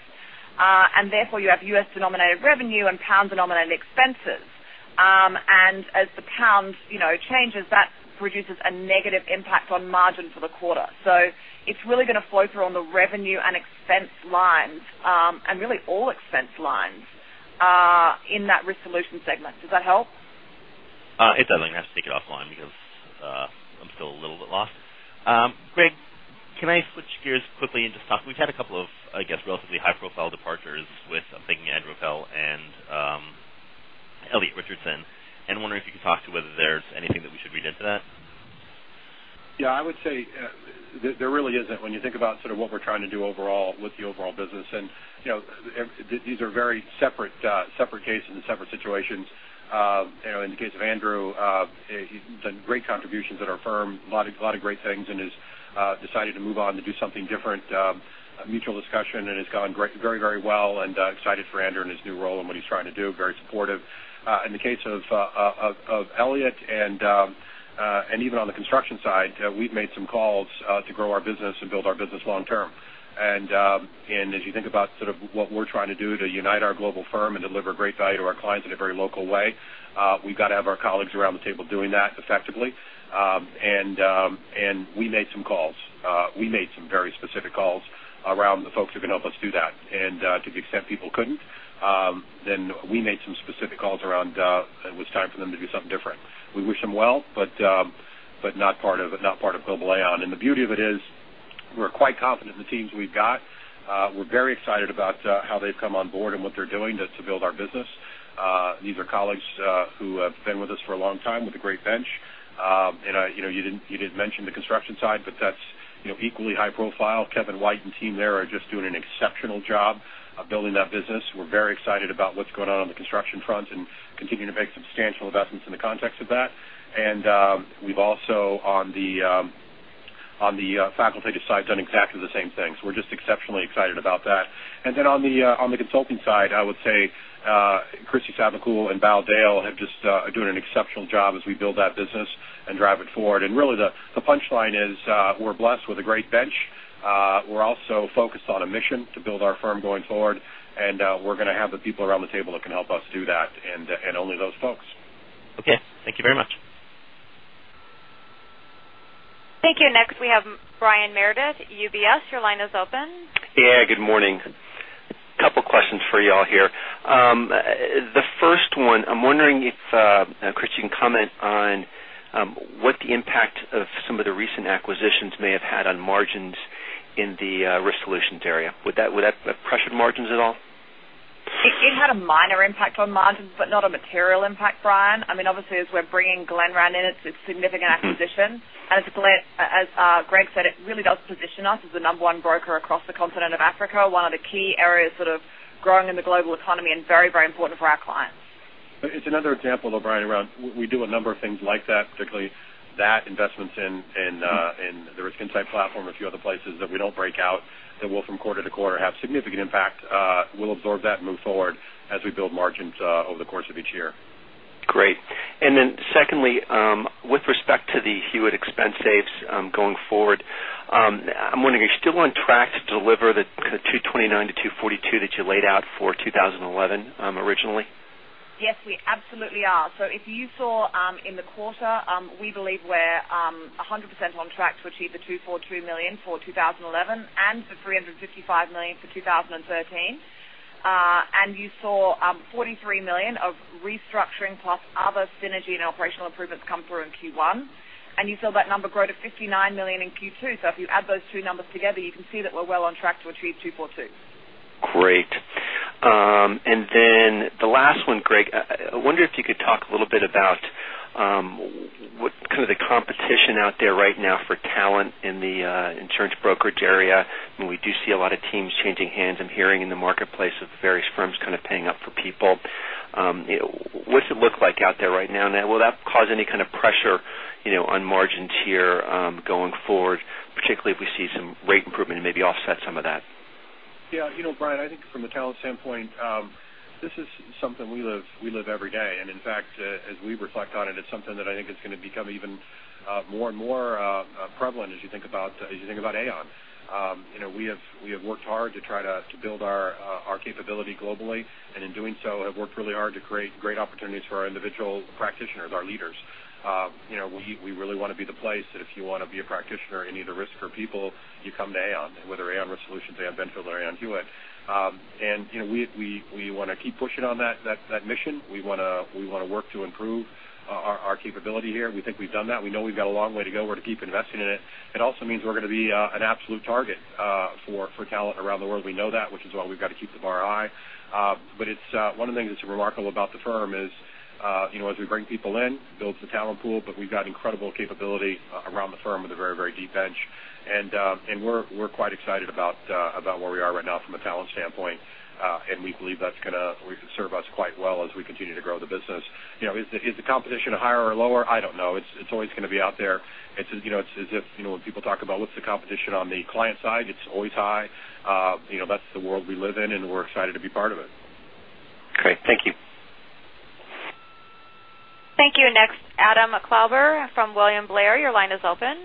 Therefore, you have U.S.-denominated revenue and pound-denominated expenses. As the pound changes, that produces a negative impact on margin for the quarter. It's really going to flow through on the revenue and expense lines, and really all expense lines, in that Aon Risk Solutions segment. Does that help? It doesn't. I'm going to have to take it offline because I'm still a little bit lost. Greg, can I switch gears quickly and just talk, we've had a couple of, I guess, relatively high-profile departures with, I'm thinking Andrew Appel and Elliot Richardson, wondering if you could talk to whether there's anything that we should read into that. Yeah, I would say there really isn't when you think about what we're trying to do overall with the overall business. These are very separate cases and separate situations. In the case of Andrew, he's done great contributions at our firm, a lot of great things and has decided to move on to do something different. A mutual discussion, it's gone very well, excited for Andrew in his new role and what he's trying to do, very supportive. In the case of Elliot, even on the construction side, we've made some calls to grow our business and build our business long term. As you think about what we're trying to do to unite our global firm and deliver great value to our clients in a very local way, we've got to have our colleagues around the table doing that effectively. We made some calls. We made some very specific calls around the folks who can help us do that. To the extent people couldn't, then we made some specific calls around it was time for them to do something different. We wish them well, but not part of global Aon. The beauty of it is we're quite confident in the teams we've got. We're very excited about how they've come on board and what they're doing to build our business. These are colleagues who have been with us for a long time with a great bench. You didn't mention the construction side, but that's equally high profile. Kevin White and team there are just doing an exceptional job of building that business. We're very excited about what's going on on the construction front and continuing to make substantial investments in the context of that. We've also on the facultative side, done exactly the same thing. We're just exceptionally excited about that. Then on the consulting side, I would say, Kristi Savacool and Baljit Dail are doing an exceptional job as we build that business and drive it forward. Really the punchline is, we're blessed with a great bench. We're also focused on a mission to build our firm going forward, and we're going to have the people around the table that can help us do that, and only those folks. Okay. Thank you very much. Thank you. Next, we have Brian Meredith, UBS, your line is open. Good morning. Couple questions for you all here. The first one, I'm wondering if, Christa, you can comment on what the impact of some of the recent acquisitions may have had on margins in the Aon Risk Solutions area. Would that have pressured margins at all? It had a minor impact on margins, not a material impact, Brian. Obviously, as we're bringing Glenrand in, it's a significant acquisition. As Greg said, it really does position us as the number one broker across the continent of Africa, one of the key areas growing in the global economy and very important for our clients. It's another example, though, Brian, around, we do a number of things like that, particularly that, investments in the Risk Insight Platform, a few other places that we don't break out that will from quarter-to-quarter have significant impact. We'll absorb that and move forward as we build margins over the course of each year. Great. Secondly, with respect to the Hewitt expense saves going forward, I'm wondering, are you still on track to deliver the $229-$242 that you laid out for 2011 originally? Yes, we absolutely are. If you saw in the quarter, we believe we're 100% on track to achieve the $242 million for 2011 and the $355 million for 2013. You saw $43 million of restructuring plus other synergy and operational improvements come through in Q1. You saw that number grow to $59 million in Q2. If you add those two numbers together, you can see that we're well on track to achieve $242. Great. The last one, Greg, I wonder if you could talk a little bit about what the competition out there right now for talent in the insurance brokerage area. We do see a lot of teams changing hands. I'm hearing in the marketplace of various firms paying up for people. What's it look like out there right now, and will that cause any kind of pressure on margins here going forward, particularly if we see some rate improvement and maybe offset some of that? Yeah, Brian, I think from the talent standpoint, this is something we live every day. In fact, as we reflect on it's something that I think is going to become even more and more prevalent as you think about Aon. We have worked hard to try to build our capability globally, and in doing so, have worked really hard to create great opportunities for our individual practitioners, our leaders. We really want to be the place that if you want to be a practitioner in either risk or people, you come to Aon, whether Aon Risk Solutions, Aon Benfield, or Aon Hewitt. We want to keep pushing on that mission. We want to work to improve our capability here. We think we've done that. We know we've got a long way to go. We're going to keep investing in it. It also means we're going to be an absolute target for talent around the world. We know that, which is why we've got to keep the bar high. One of the things that's remarkable about the firm is, as we bring people in, builds the talent pool, but we've got incredible capability around the firm with a very deep bench. We're quite excited about where we are right now from a talent standpoint. We believe that's going to serve us quite well as we continue to grow the business. Is the competition higher or lower? I don't know. It's always going to be out there. When people talk about what's the competition on the client side, it's always high. That's the world we live in, and we're excited to be part of it. Great. Thank you. Thank you. Next, Adam Klauber from William Blair, your line is open.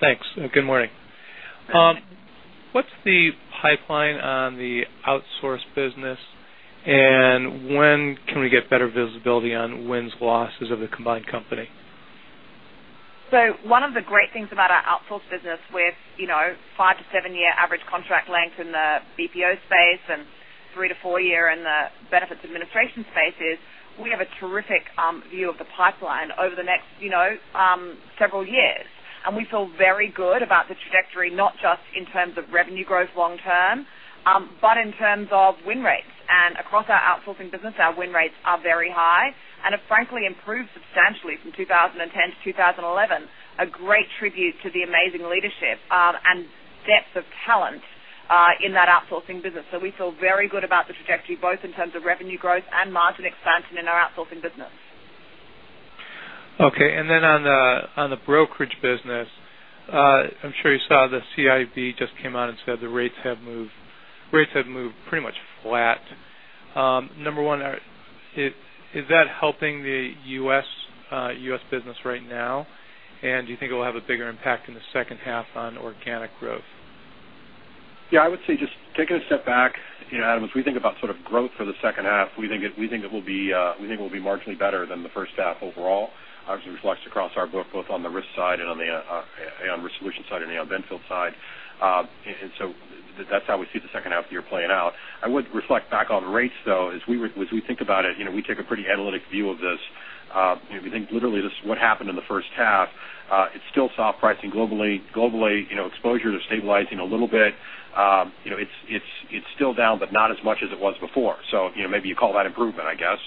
Thanks. Good morning. What's the pipeline on the outsource business, and when can we get better visibility on wins/losses of the combined company? One of the great things about our outsource business with five to seven year average contract length in the BPO space and three to four year in the benefits administration space is we have a terrific view of the pipeline over the next several years. We feel very good about the trajectory, not just in terms of revenue growth long term, but in terms of win rates. Across our outsourcing business, our win rates are very high and have frankly improved substantially from 2010 to 2011. A great tribute to the amazing leadership and depth of talent in that outsourcing business. We feel very good about the trajectory, both in terms of revenue growth and margin expansion in our outsourcing business. Okay. On the brokerage business, I'm sure you saw the CIAB just came out and said the rates have moved pretty much flat. Number 1, is that helping the U.S. business right now? Do you think it will have a bigger impact in the second half on organic growth? Yeah, I would say just taking a step back, Adam, as we think about growth for the second half, we think it will be marginally better than the first half overall. Obviously reflects across our book, both on the risk side and on the Aon Risk Solutions side and Aon Benfield side. That's how we see the second half of the year playing out. I would reflect back on rates, though. As we think about it, we take a pretty analytic view of this. We think literally this, what happened in the first half, it's still soft pricing globally. Globally, exposure is stabilizing a little bit. It's still down, but not as much as it was before. Maybe you call that improvement, I guess,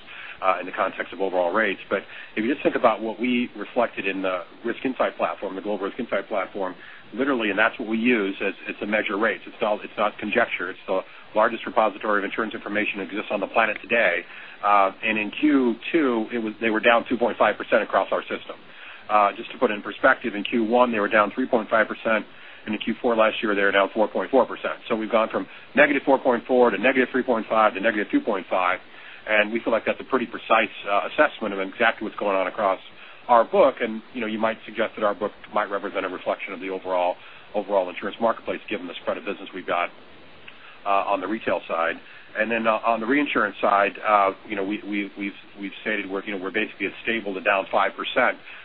in the context of overall rates. If you just think about what we reflected in the Risk Insight Platform, the Global Risk Insight Platform, literally, that's what we use as to measure rates. It's not conjecture. It's the largest repository of insurance information that exists on the planet today. In Q2, they were down 2.5% across our system. Just to put it in perspective, in Q1, they were down 3.5%, and in Q4 last year, they were down 4.4%. We've gone from -4.4% to -3.5% to -2.5%, and we feel like that's a pretty precise assessment of exactly what's going on across our book. You might suggest that our book might represent a reflection of the overall insurance marketplace, given this credit business we've got on the retail side. On the reinsurance side, we've stated we're basically at stable to down 5%,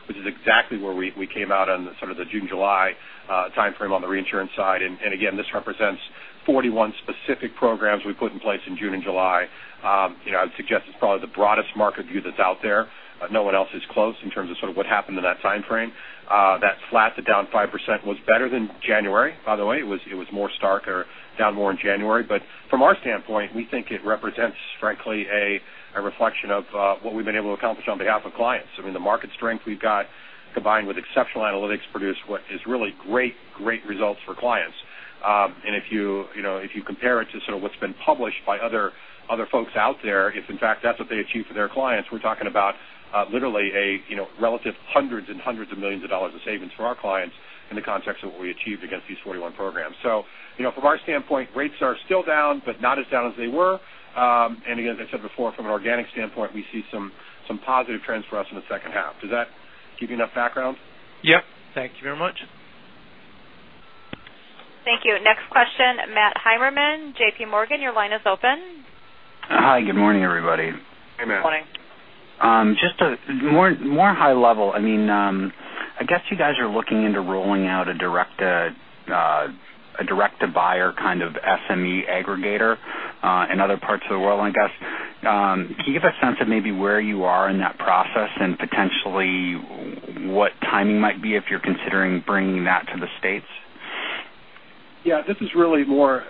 which is exactly where we came out on the June, July timeframe on the reinsurance side. Again, this represents 41 specific programs we put in place in June and July. I would suggest it's probably the broadest market view that's out there. No one else is close in terms of what happened in that time frame. That flat to down 5% was better than January, by the way. It was more stark or down more in January. From our standpoint, we think it represents, frankly, a reflection of what we've been able to accomplish on behalf of clients. I mean, the market strength we've got, combined with exceptional analytics, produce what is really great results for clients. If you compare it to what's been published by other folks out there, if in fact that's what they achieve for their clients, we're talking about literally relative hundreds and hundreds of millions of dollars of savings for our clients in the context of what we achieved against these 41 programs. From our standpoint, rates are still down, but not as down as they were. Again, as I said before, from an organic standpoint, we see some positive trends for us in the second half. Does that give you enough background? Yep. Thank you very much. Thank you. Next question, Matt Heimermann, J.P. Morgan, your line is open. Hi, good morning, everybody. Hey, Matt. Good morning. Just more high level, I guess you guys are looking into rolling out a direct-to-buyer kind of SME aggregator in other parts of the world, I guess. Can you give a sense of maybe where you are in that process and potentially what timing might be if you're considering bringing that to the States? Yeah, this is really more,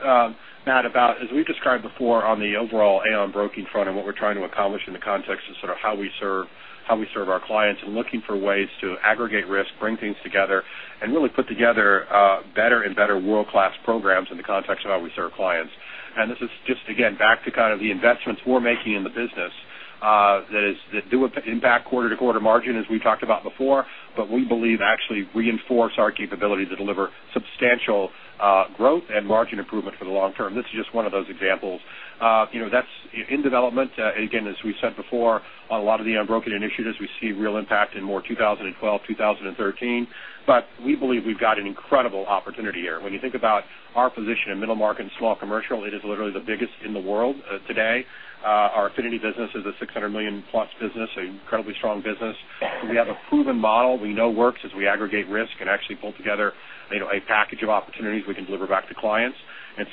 Matt, about, as we've described before on the overall Aon Broking front and what we're trying to accomplish in the context of how we serve our clients and looking for ways to aggregate risk, bring things together, and really put together better and better world-class programs in the context of how we serve clients. This is just, again, back to kind of the investments we're making in the business that do impact quarter-to-quarter margin as we've talked about before, we believe actually reinforce our capability to deliver substantial growth and margin improvement for the long term. This is just one of those examples. That's in development. Again, as we've said before, on a lot of the Aon Broking initiatives, we see real impact in more 2012, 2013, we believe we've got an incredible opportunity here. When you think about our position in middle market and small commercial, it is literally the biggest in the world today. Our affinity business is a $600 million-plus business, an incredibly strong business. We have a proven model we know works as we aggregate risk and actually pull together a package of opportunities we can deliver back to clients.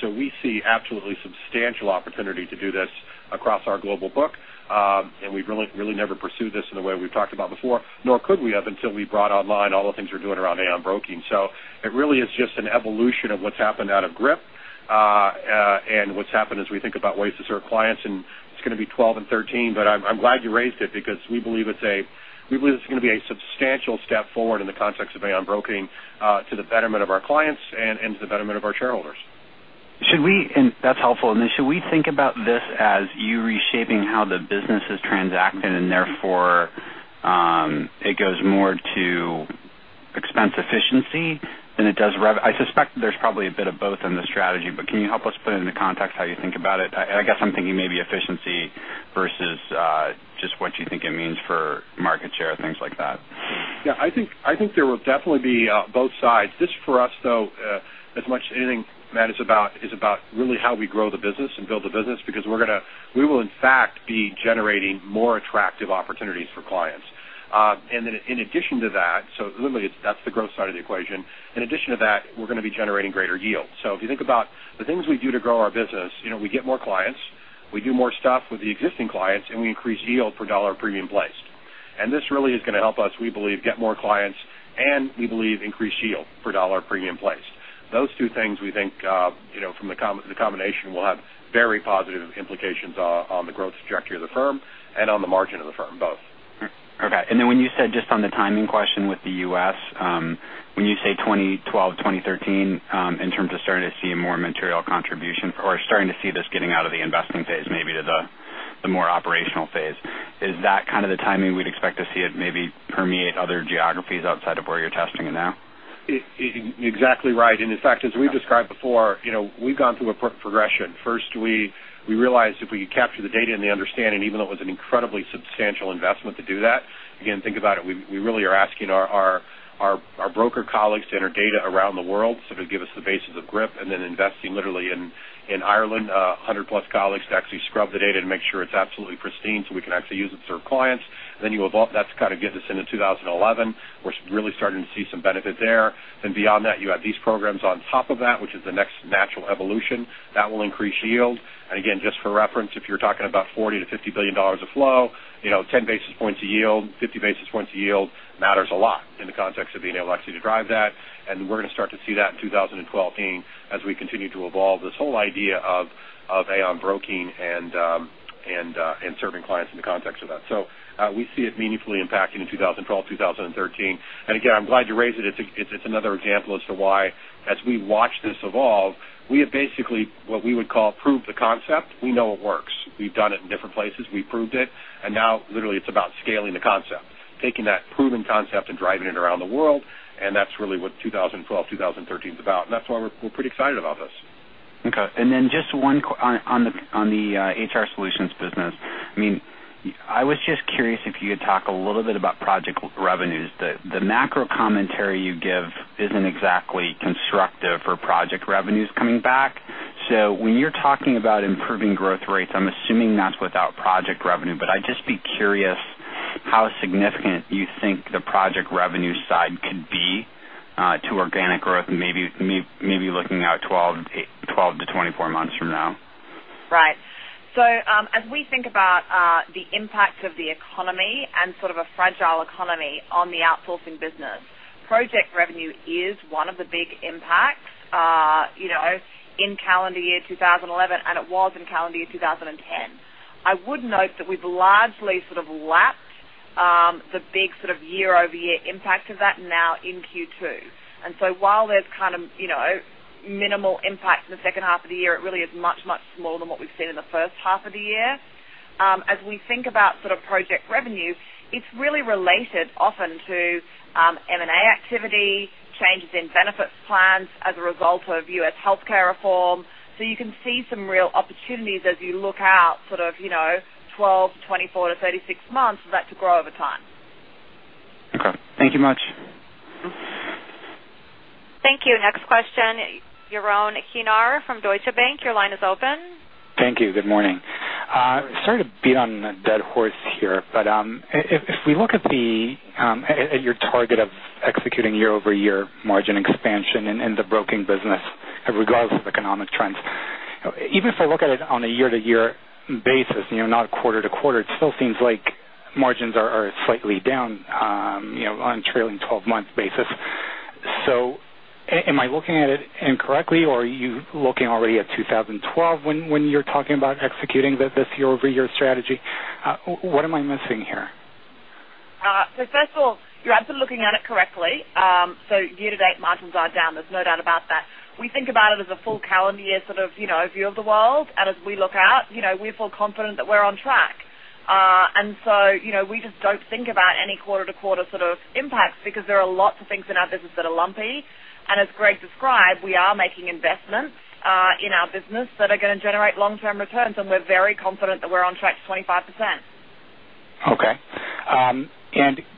We see absolutely substantial opportunity to do this across our global book, and we've really never pursued this in the way we've talked about before, nor could we have until we brought online all the things we're doing around Aon Broking. It really is just an evolution of what's happened out of GRIP, and what's happened as we think about ways to serve clients, and it's going to be 2012 and 2013. I'm glad you raised it because we believe it's going to be a substantial step forward in the context of Aon Broking to the betterment of our clients and to the betterment of our shareholders. That's helpful. Should we think about this as you reshaping how the business is transacted and therefore it goes more to expense efficiency than it does? I suspect there's probably a bit of both in the strategy, but can you help us put it into context how you think about it? I guess I'm thinking maybe efficiency versus just what you think it means for market share and things like that. Yeah, I think there will definitely be both sides. This for us, though, as much as anything, Matt, is about really how we grow the business and build the business because we will in fact be generating more attractive opportunities for clients. In addition to that, literally that's the growth side of the equation. In addition to that, we're going to be generating greater yield. If you think about the things we do to grow our business, we get more clients, we do more stuff with the existing clients, and we increase yield per $ premium placed. This really is going to help us, we believe, get more clients and, we believe, increase yield per $ premium placed. Those two things we think from the combination will have very positive implications on the growth trajectory of the firm and on the margin of the firm, both. Okay. When you said just on the timing question with the U.S., when you say 2012, 2013, in terms of starting to see a more material contribution or starting to see this getting out of the investment phase maybe to the more operational phase, is that kind of the timing we'd expect to see it maybe permeate other geographies outside of where you're testing it now? Exactly right. In fact, as we've described before, we've gone through a progression. First, we realized if we could capture the data and the understanding, even though it was an incredibly substantial investment to do that. Again, think about it, we really are asking our broker colleagues to enter data around the world, sort of give us the basis of GRIP, and then investing literally in Ireland, 100-plus colleagues to actually scrub the data to make sure it's absolutely pristine so we can actually use it to serve clients. You evolve that to kind of get this into 2011. We're really starting to see some benefit there. Beyond that, you have these programs on top of that, which is the next natural evolution. That will increase yield. Again, just for reference, if you're talking about $40 billion-$50 billion of flow, 10 basis points of yield, 50 basis points of yield matters a lot in the context of being able to actually drive that. We're going to start to see that in 2012, 2013 as we continue to evolve this whole idea of Aon Broking and serving clients in the context of that. We see it meaningfully impacting in 2012, 2013. Again, I'm glad you raised it. It's another example as to why as we watch this evolve, we have basically what we would call proved the concept. We know it works. We've done it in different places. We proved it. Now literally it's about scaling the concept, taking that proven concept and driving it around the world, and that's really what 2012, 2013 is about, and that's why we're pretty excited about this. Okay. Then just one on the Aon HR Solutions business. I was just curious if you could talk a little bit about project revenues. The macro commentary you give isn't exactly constructive for project revenues coming back. When you're talking about improving growth rates, I'm assuming that's without project revenue, but I'd just be curious how significant you think the project revenue side could be to organic growth, maybe looking out 12 to 24 months from now. Right. As we think about the impact of the economy and sort of a fragile economy on the outsourcing business, project revenue is one of the big impacts in calendar year 2011, and it was in calendar year 2010. I would note that we've largely sort of lapsed the big year-over-year impact of that now in Q2. While there's minimal impact in the second half of the year, it really is much, much smaller than what we've seen in the first half of the year. As we think about project revenue, it's really related often to M&A activity, changes in benefits plans as a result of U.S. healthcare reform. You can see some real opportunities as you look out sort of 12 to 24 to 36 months for that to grow over time. Okay. Thank you much. Thank you. Next question, Jeroen Kienar from Deutsche Bank. Your line is open. Thank you. Good morning. Sorry to beat on a dead horse here, if we look at your target of executing year-over-year margin expansion in the broking business regardless of economic trends, even if I look at it on a year-to-year basis, not quarter-to-quarter, it still seems like margins are slightly down on trailing 12-month basis. Am I looking at it incorrectly, or are you looking already at 2012 when you're talking about executing this year-over-year strategy? What am I missing here? First of all, you're absolutely looking at it correctly. Year-to-date margins are down. There's no doubt about that. We think about it as a full calendar year sort of view of the world. As we look out, we feel confident that we're on track. We just don't think about any quarter-to-quarter sort of impacts because there are lots of things in our business that are lumpy. As Greg described, we are making investments in our business that are going to generate long-term returns, and we're very confident that we're on track to 25%. Okay.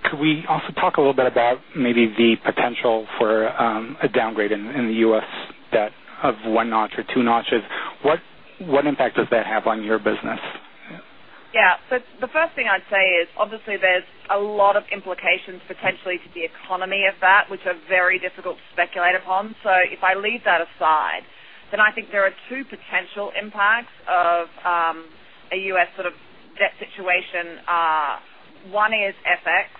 Could we also talk a little bit about maybe the potential for a downgrade in the U.S. debt of one notch or two notches? What impact does that have on your business? Yeah. The first thing I'd say is obviously there's a lot of implications potentially to the economy of that, which are very difficult to speculate upon. If I leave that aside, I think there are two potential impacts of a U.S. sort of debt situation. One is FX.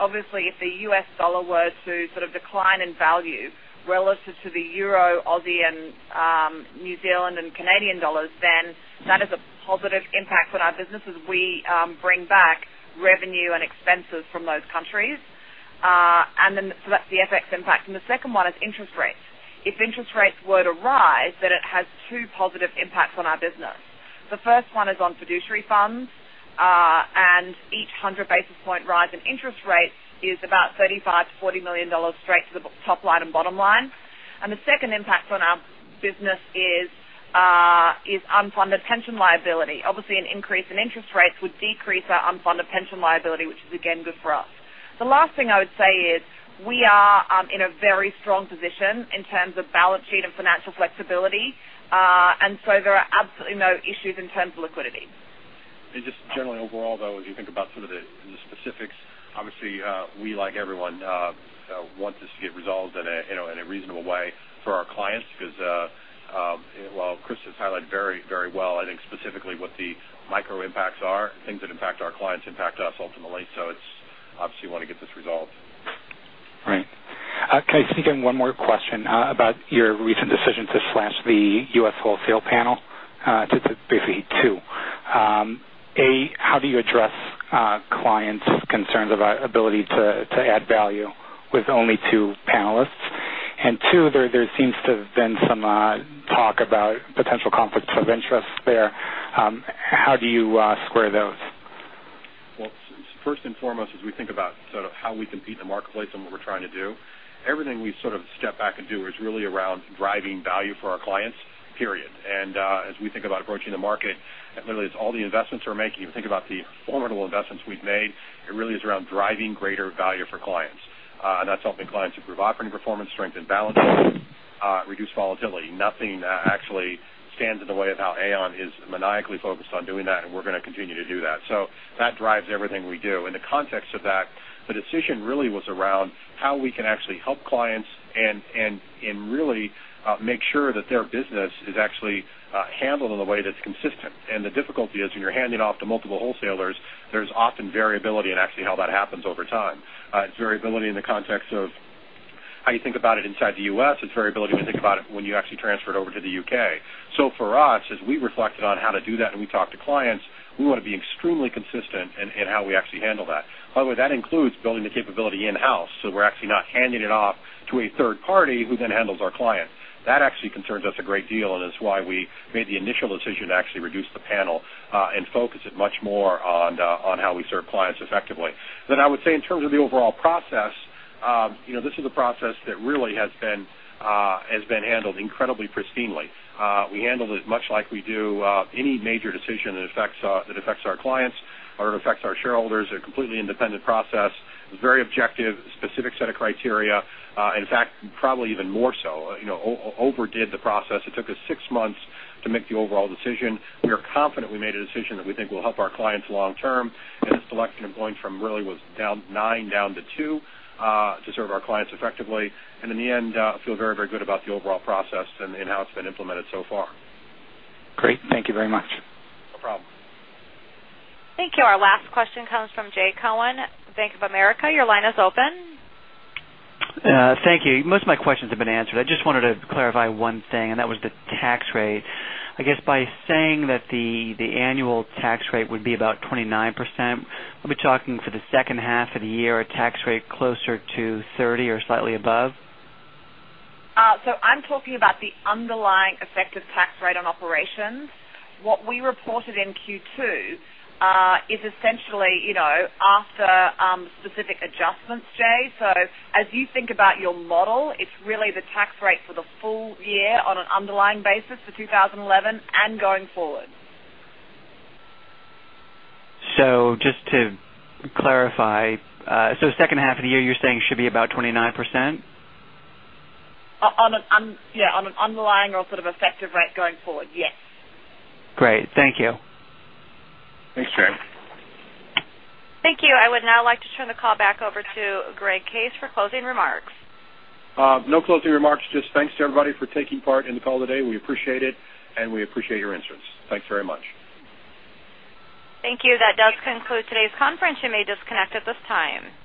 Obviously if the U.S. dollar were to sort of decline in value relative to the EUR, AUD, NZD, and CAD, that is a positive impact on our business as we bring back revenue and expenses from those countries. That's the FX impact. The second one is interest rates. If interest rates were to rise, it has two positive impacts on our business. The first one is on fiduciary funds, each 100 basis point rise in interest rates is about $35 million-$40 million straight to the top line and bottom line. The second impact on our business is unfunded pension liability. Obviously, an increase in interest rates would decrease our unfunded pension liability, which is again good for us. The last thing I would say is we are in a very strong position in terms of balance sheet and financial flexibility. There are absolutely no issues in terms of liquidity. Just generally overall, though, as you think about some of the specifics, obviously, we, like everyone, want this to get resolved in a reasonable way for our clients because while Christa's highlighted very well, I think specifically what the micro impacts are, things that impact our clients impact us ultimately. It's obvious you want to get this resolved. Right. Can I sneak in one more question about your recent decision to slash the U.S. wholesale panel? Just basically two. A, how do you address clients' concerns about ability to add value with only two panelists? Two, there seems to have been some talk about potential conflicts of interest there. How do you square those? Well, first and foremost, as we think about how we compete in the marketplace and what we're trying to do, everything we sort of step back and do is really around driving value for our clients, period. As we think about approaching the market, literally it's all the investments we're making. If you think about the formidable investments we've made, it really is around driving greater value for clients. That's helping clients improve operating performance, strengthen balance sheets, reduce volatility. Nothing actually stands in the way of how Aon is maniacally focused on doing that, and we're going to continue to do that. That drives everything we do. In the context of that, the decision really was around how we can actually help clients and really make sure that their business is actually handled in a way that's consistent. The difficulty is when you're handing off to multiple wholesalers, there's often variability in actually how that happens over time. It's variability in the context of how you think about it inside the U.S. It's variability when you think about it when you actually transfer it over to the U.K. For us, as we reflected on how to do that and we talked to clients, we want to be extremely consistent in how we actually handle that. By the way, that includes building the capability in-house, so we're actually not handing it off to a third party who then handles our client. That actually concerns us a great deal, and it's why we made the initial decision to actually reduce the panel and focus it much more on how we serve clients effectively. I would say in terms of the overall process. This is a process that really has been handled incredibly pristinely. We handled it much like we do any major decision that affects our clients or it affects our shareholders. A completely independent process. It was very objective, specific set of criteria. In fact, probably even more so. Overdid the process. It took us six months to make the overall decision. We are confident we made a decision that we think will help our clients long-term, and the selection of going from really was down nine down to two, to serve our clients effectively. In the end, feel very, very good about the overall process and how it's been implemented so far. Great. Thank you very much. No problem. Thank you. Our last question comes from Jay Cohen, Bank of America. Your line is open. Thank you. Most of my questions have been answered. I just wanted to clarify one thing, that was the tax rate. I guess by saying that the annual tax rate would be about 29%, are we talking for the second half of the year, a tax rate closer to 30% or slightly above? I'm talking about the underlying effective tax rate on operations. What we reported in Q2 is essentially after specific adjustments, Jay. As you think about your model, it's really the tax rate for the full year on an underlying basis for 2011 and going forward. Just to clarify, second half of the year, you're saying should be about 29%? On an underlying or sort of effective rate going forward, yes. Great. Thank you. Thanks, Jay. Thank you. I would now like to turn the call back over to Greg Case for closing remarks. No closing remarks, just thanks to everybody for taking part in the call today. We appreciate it, and we appreciate your interest. Thanks very much. Thank you. That does conclude today's conference. You may disconnect at this time.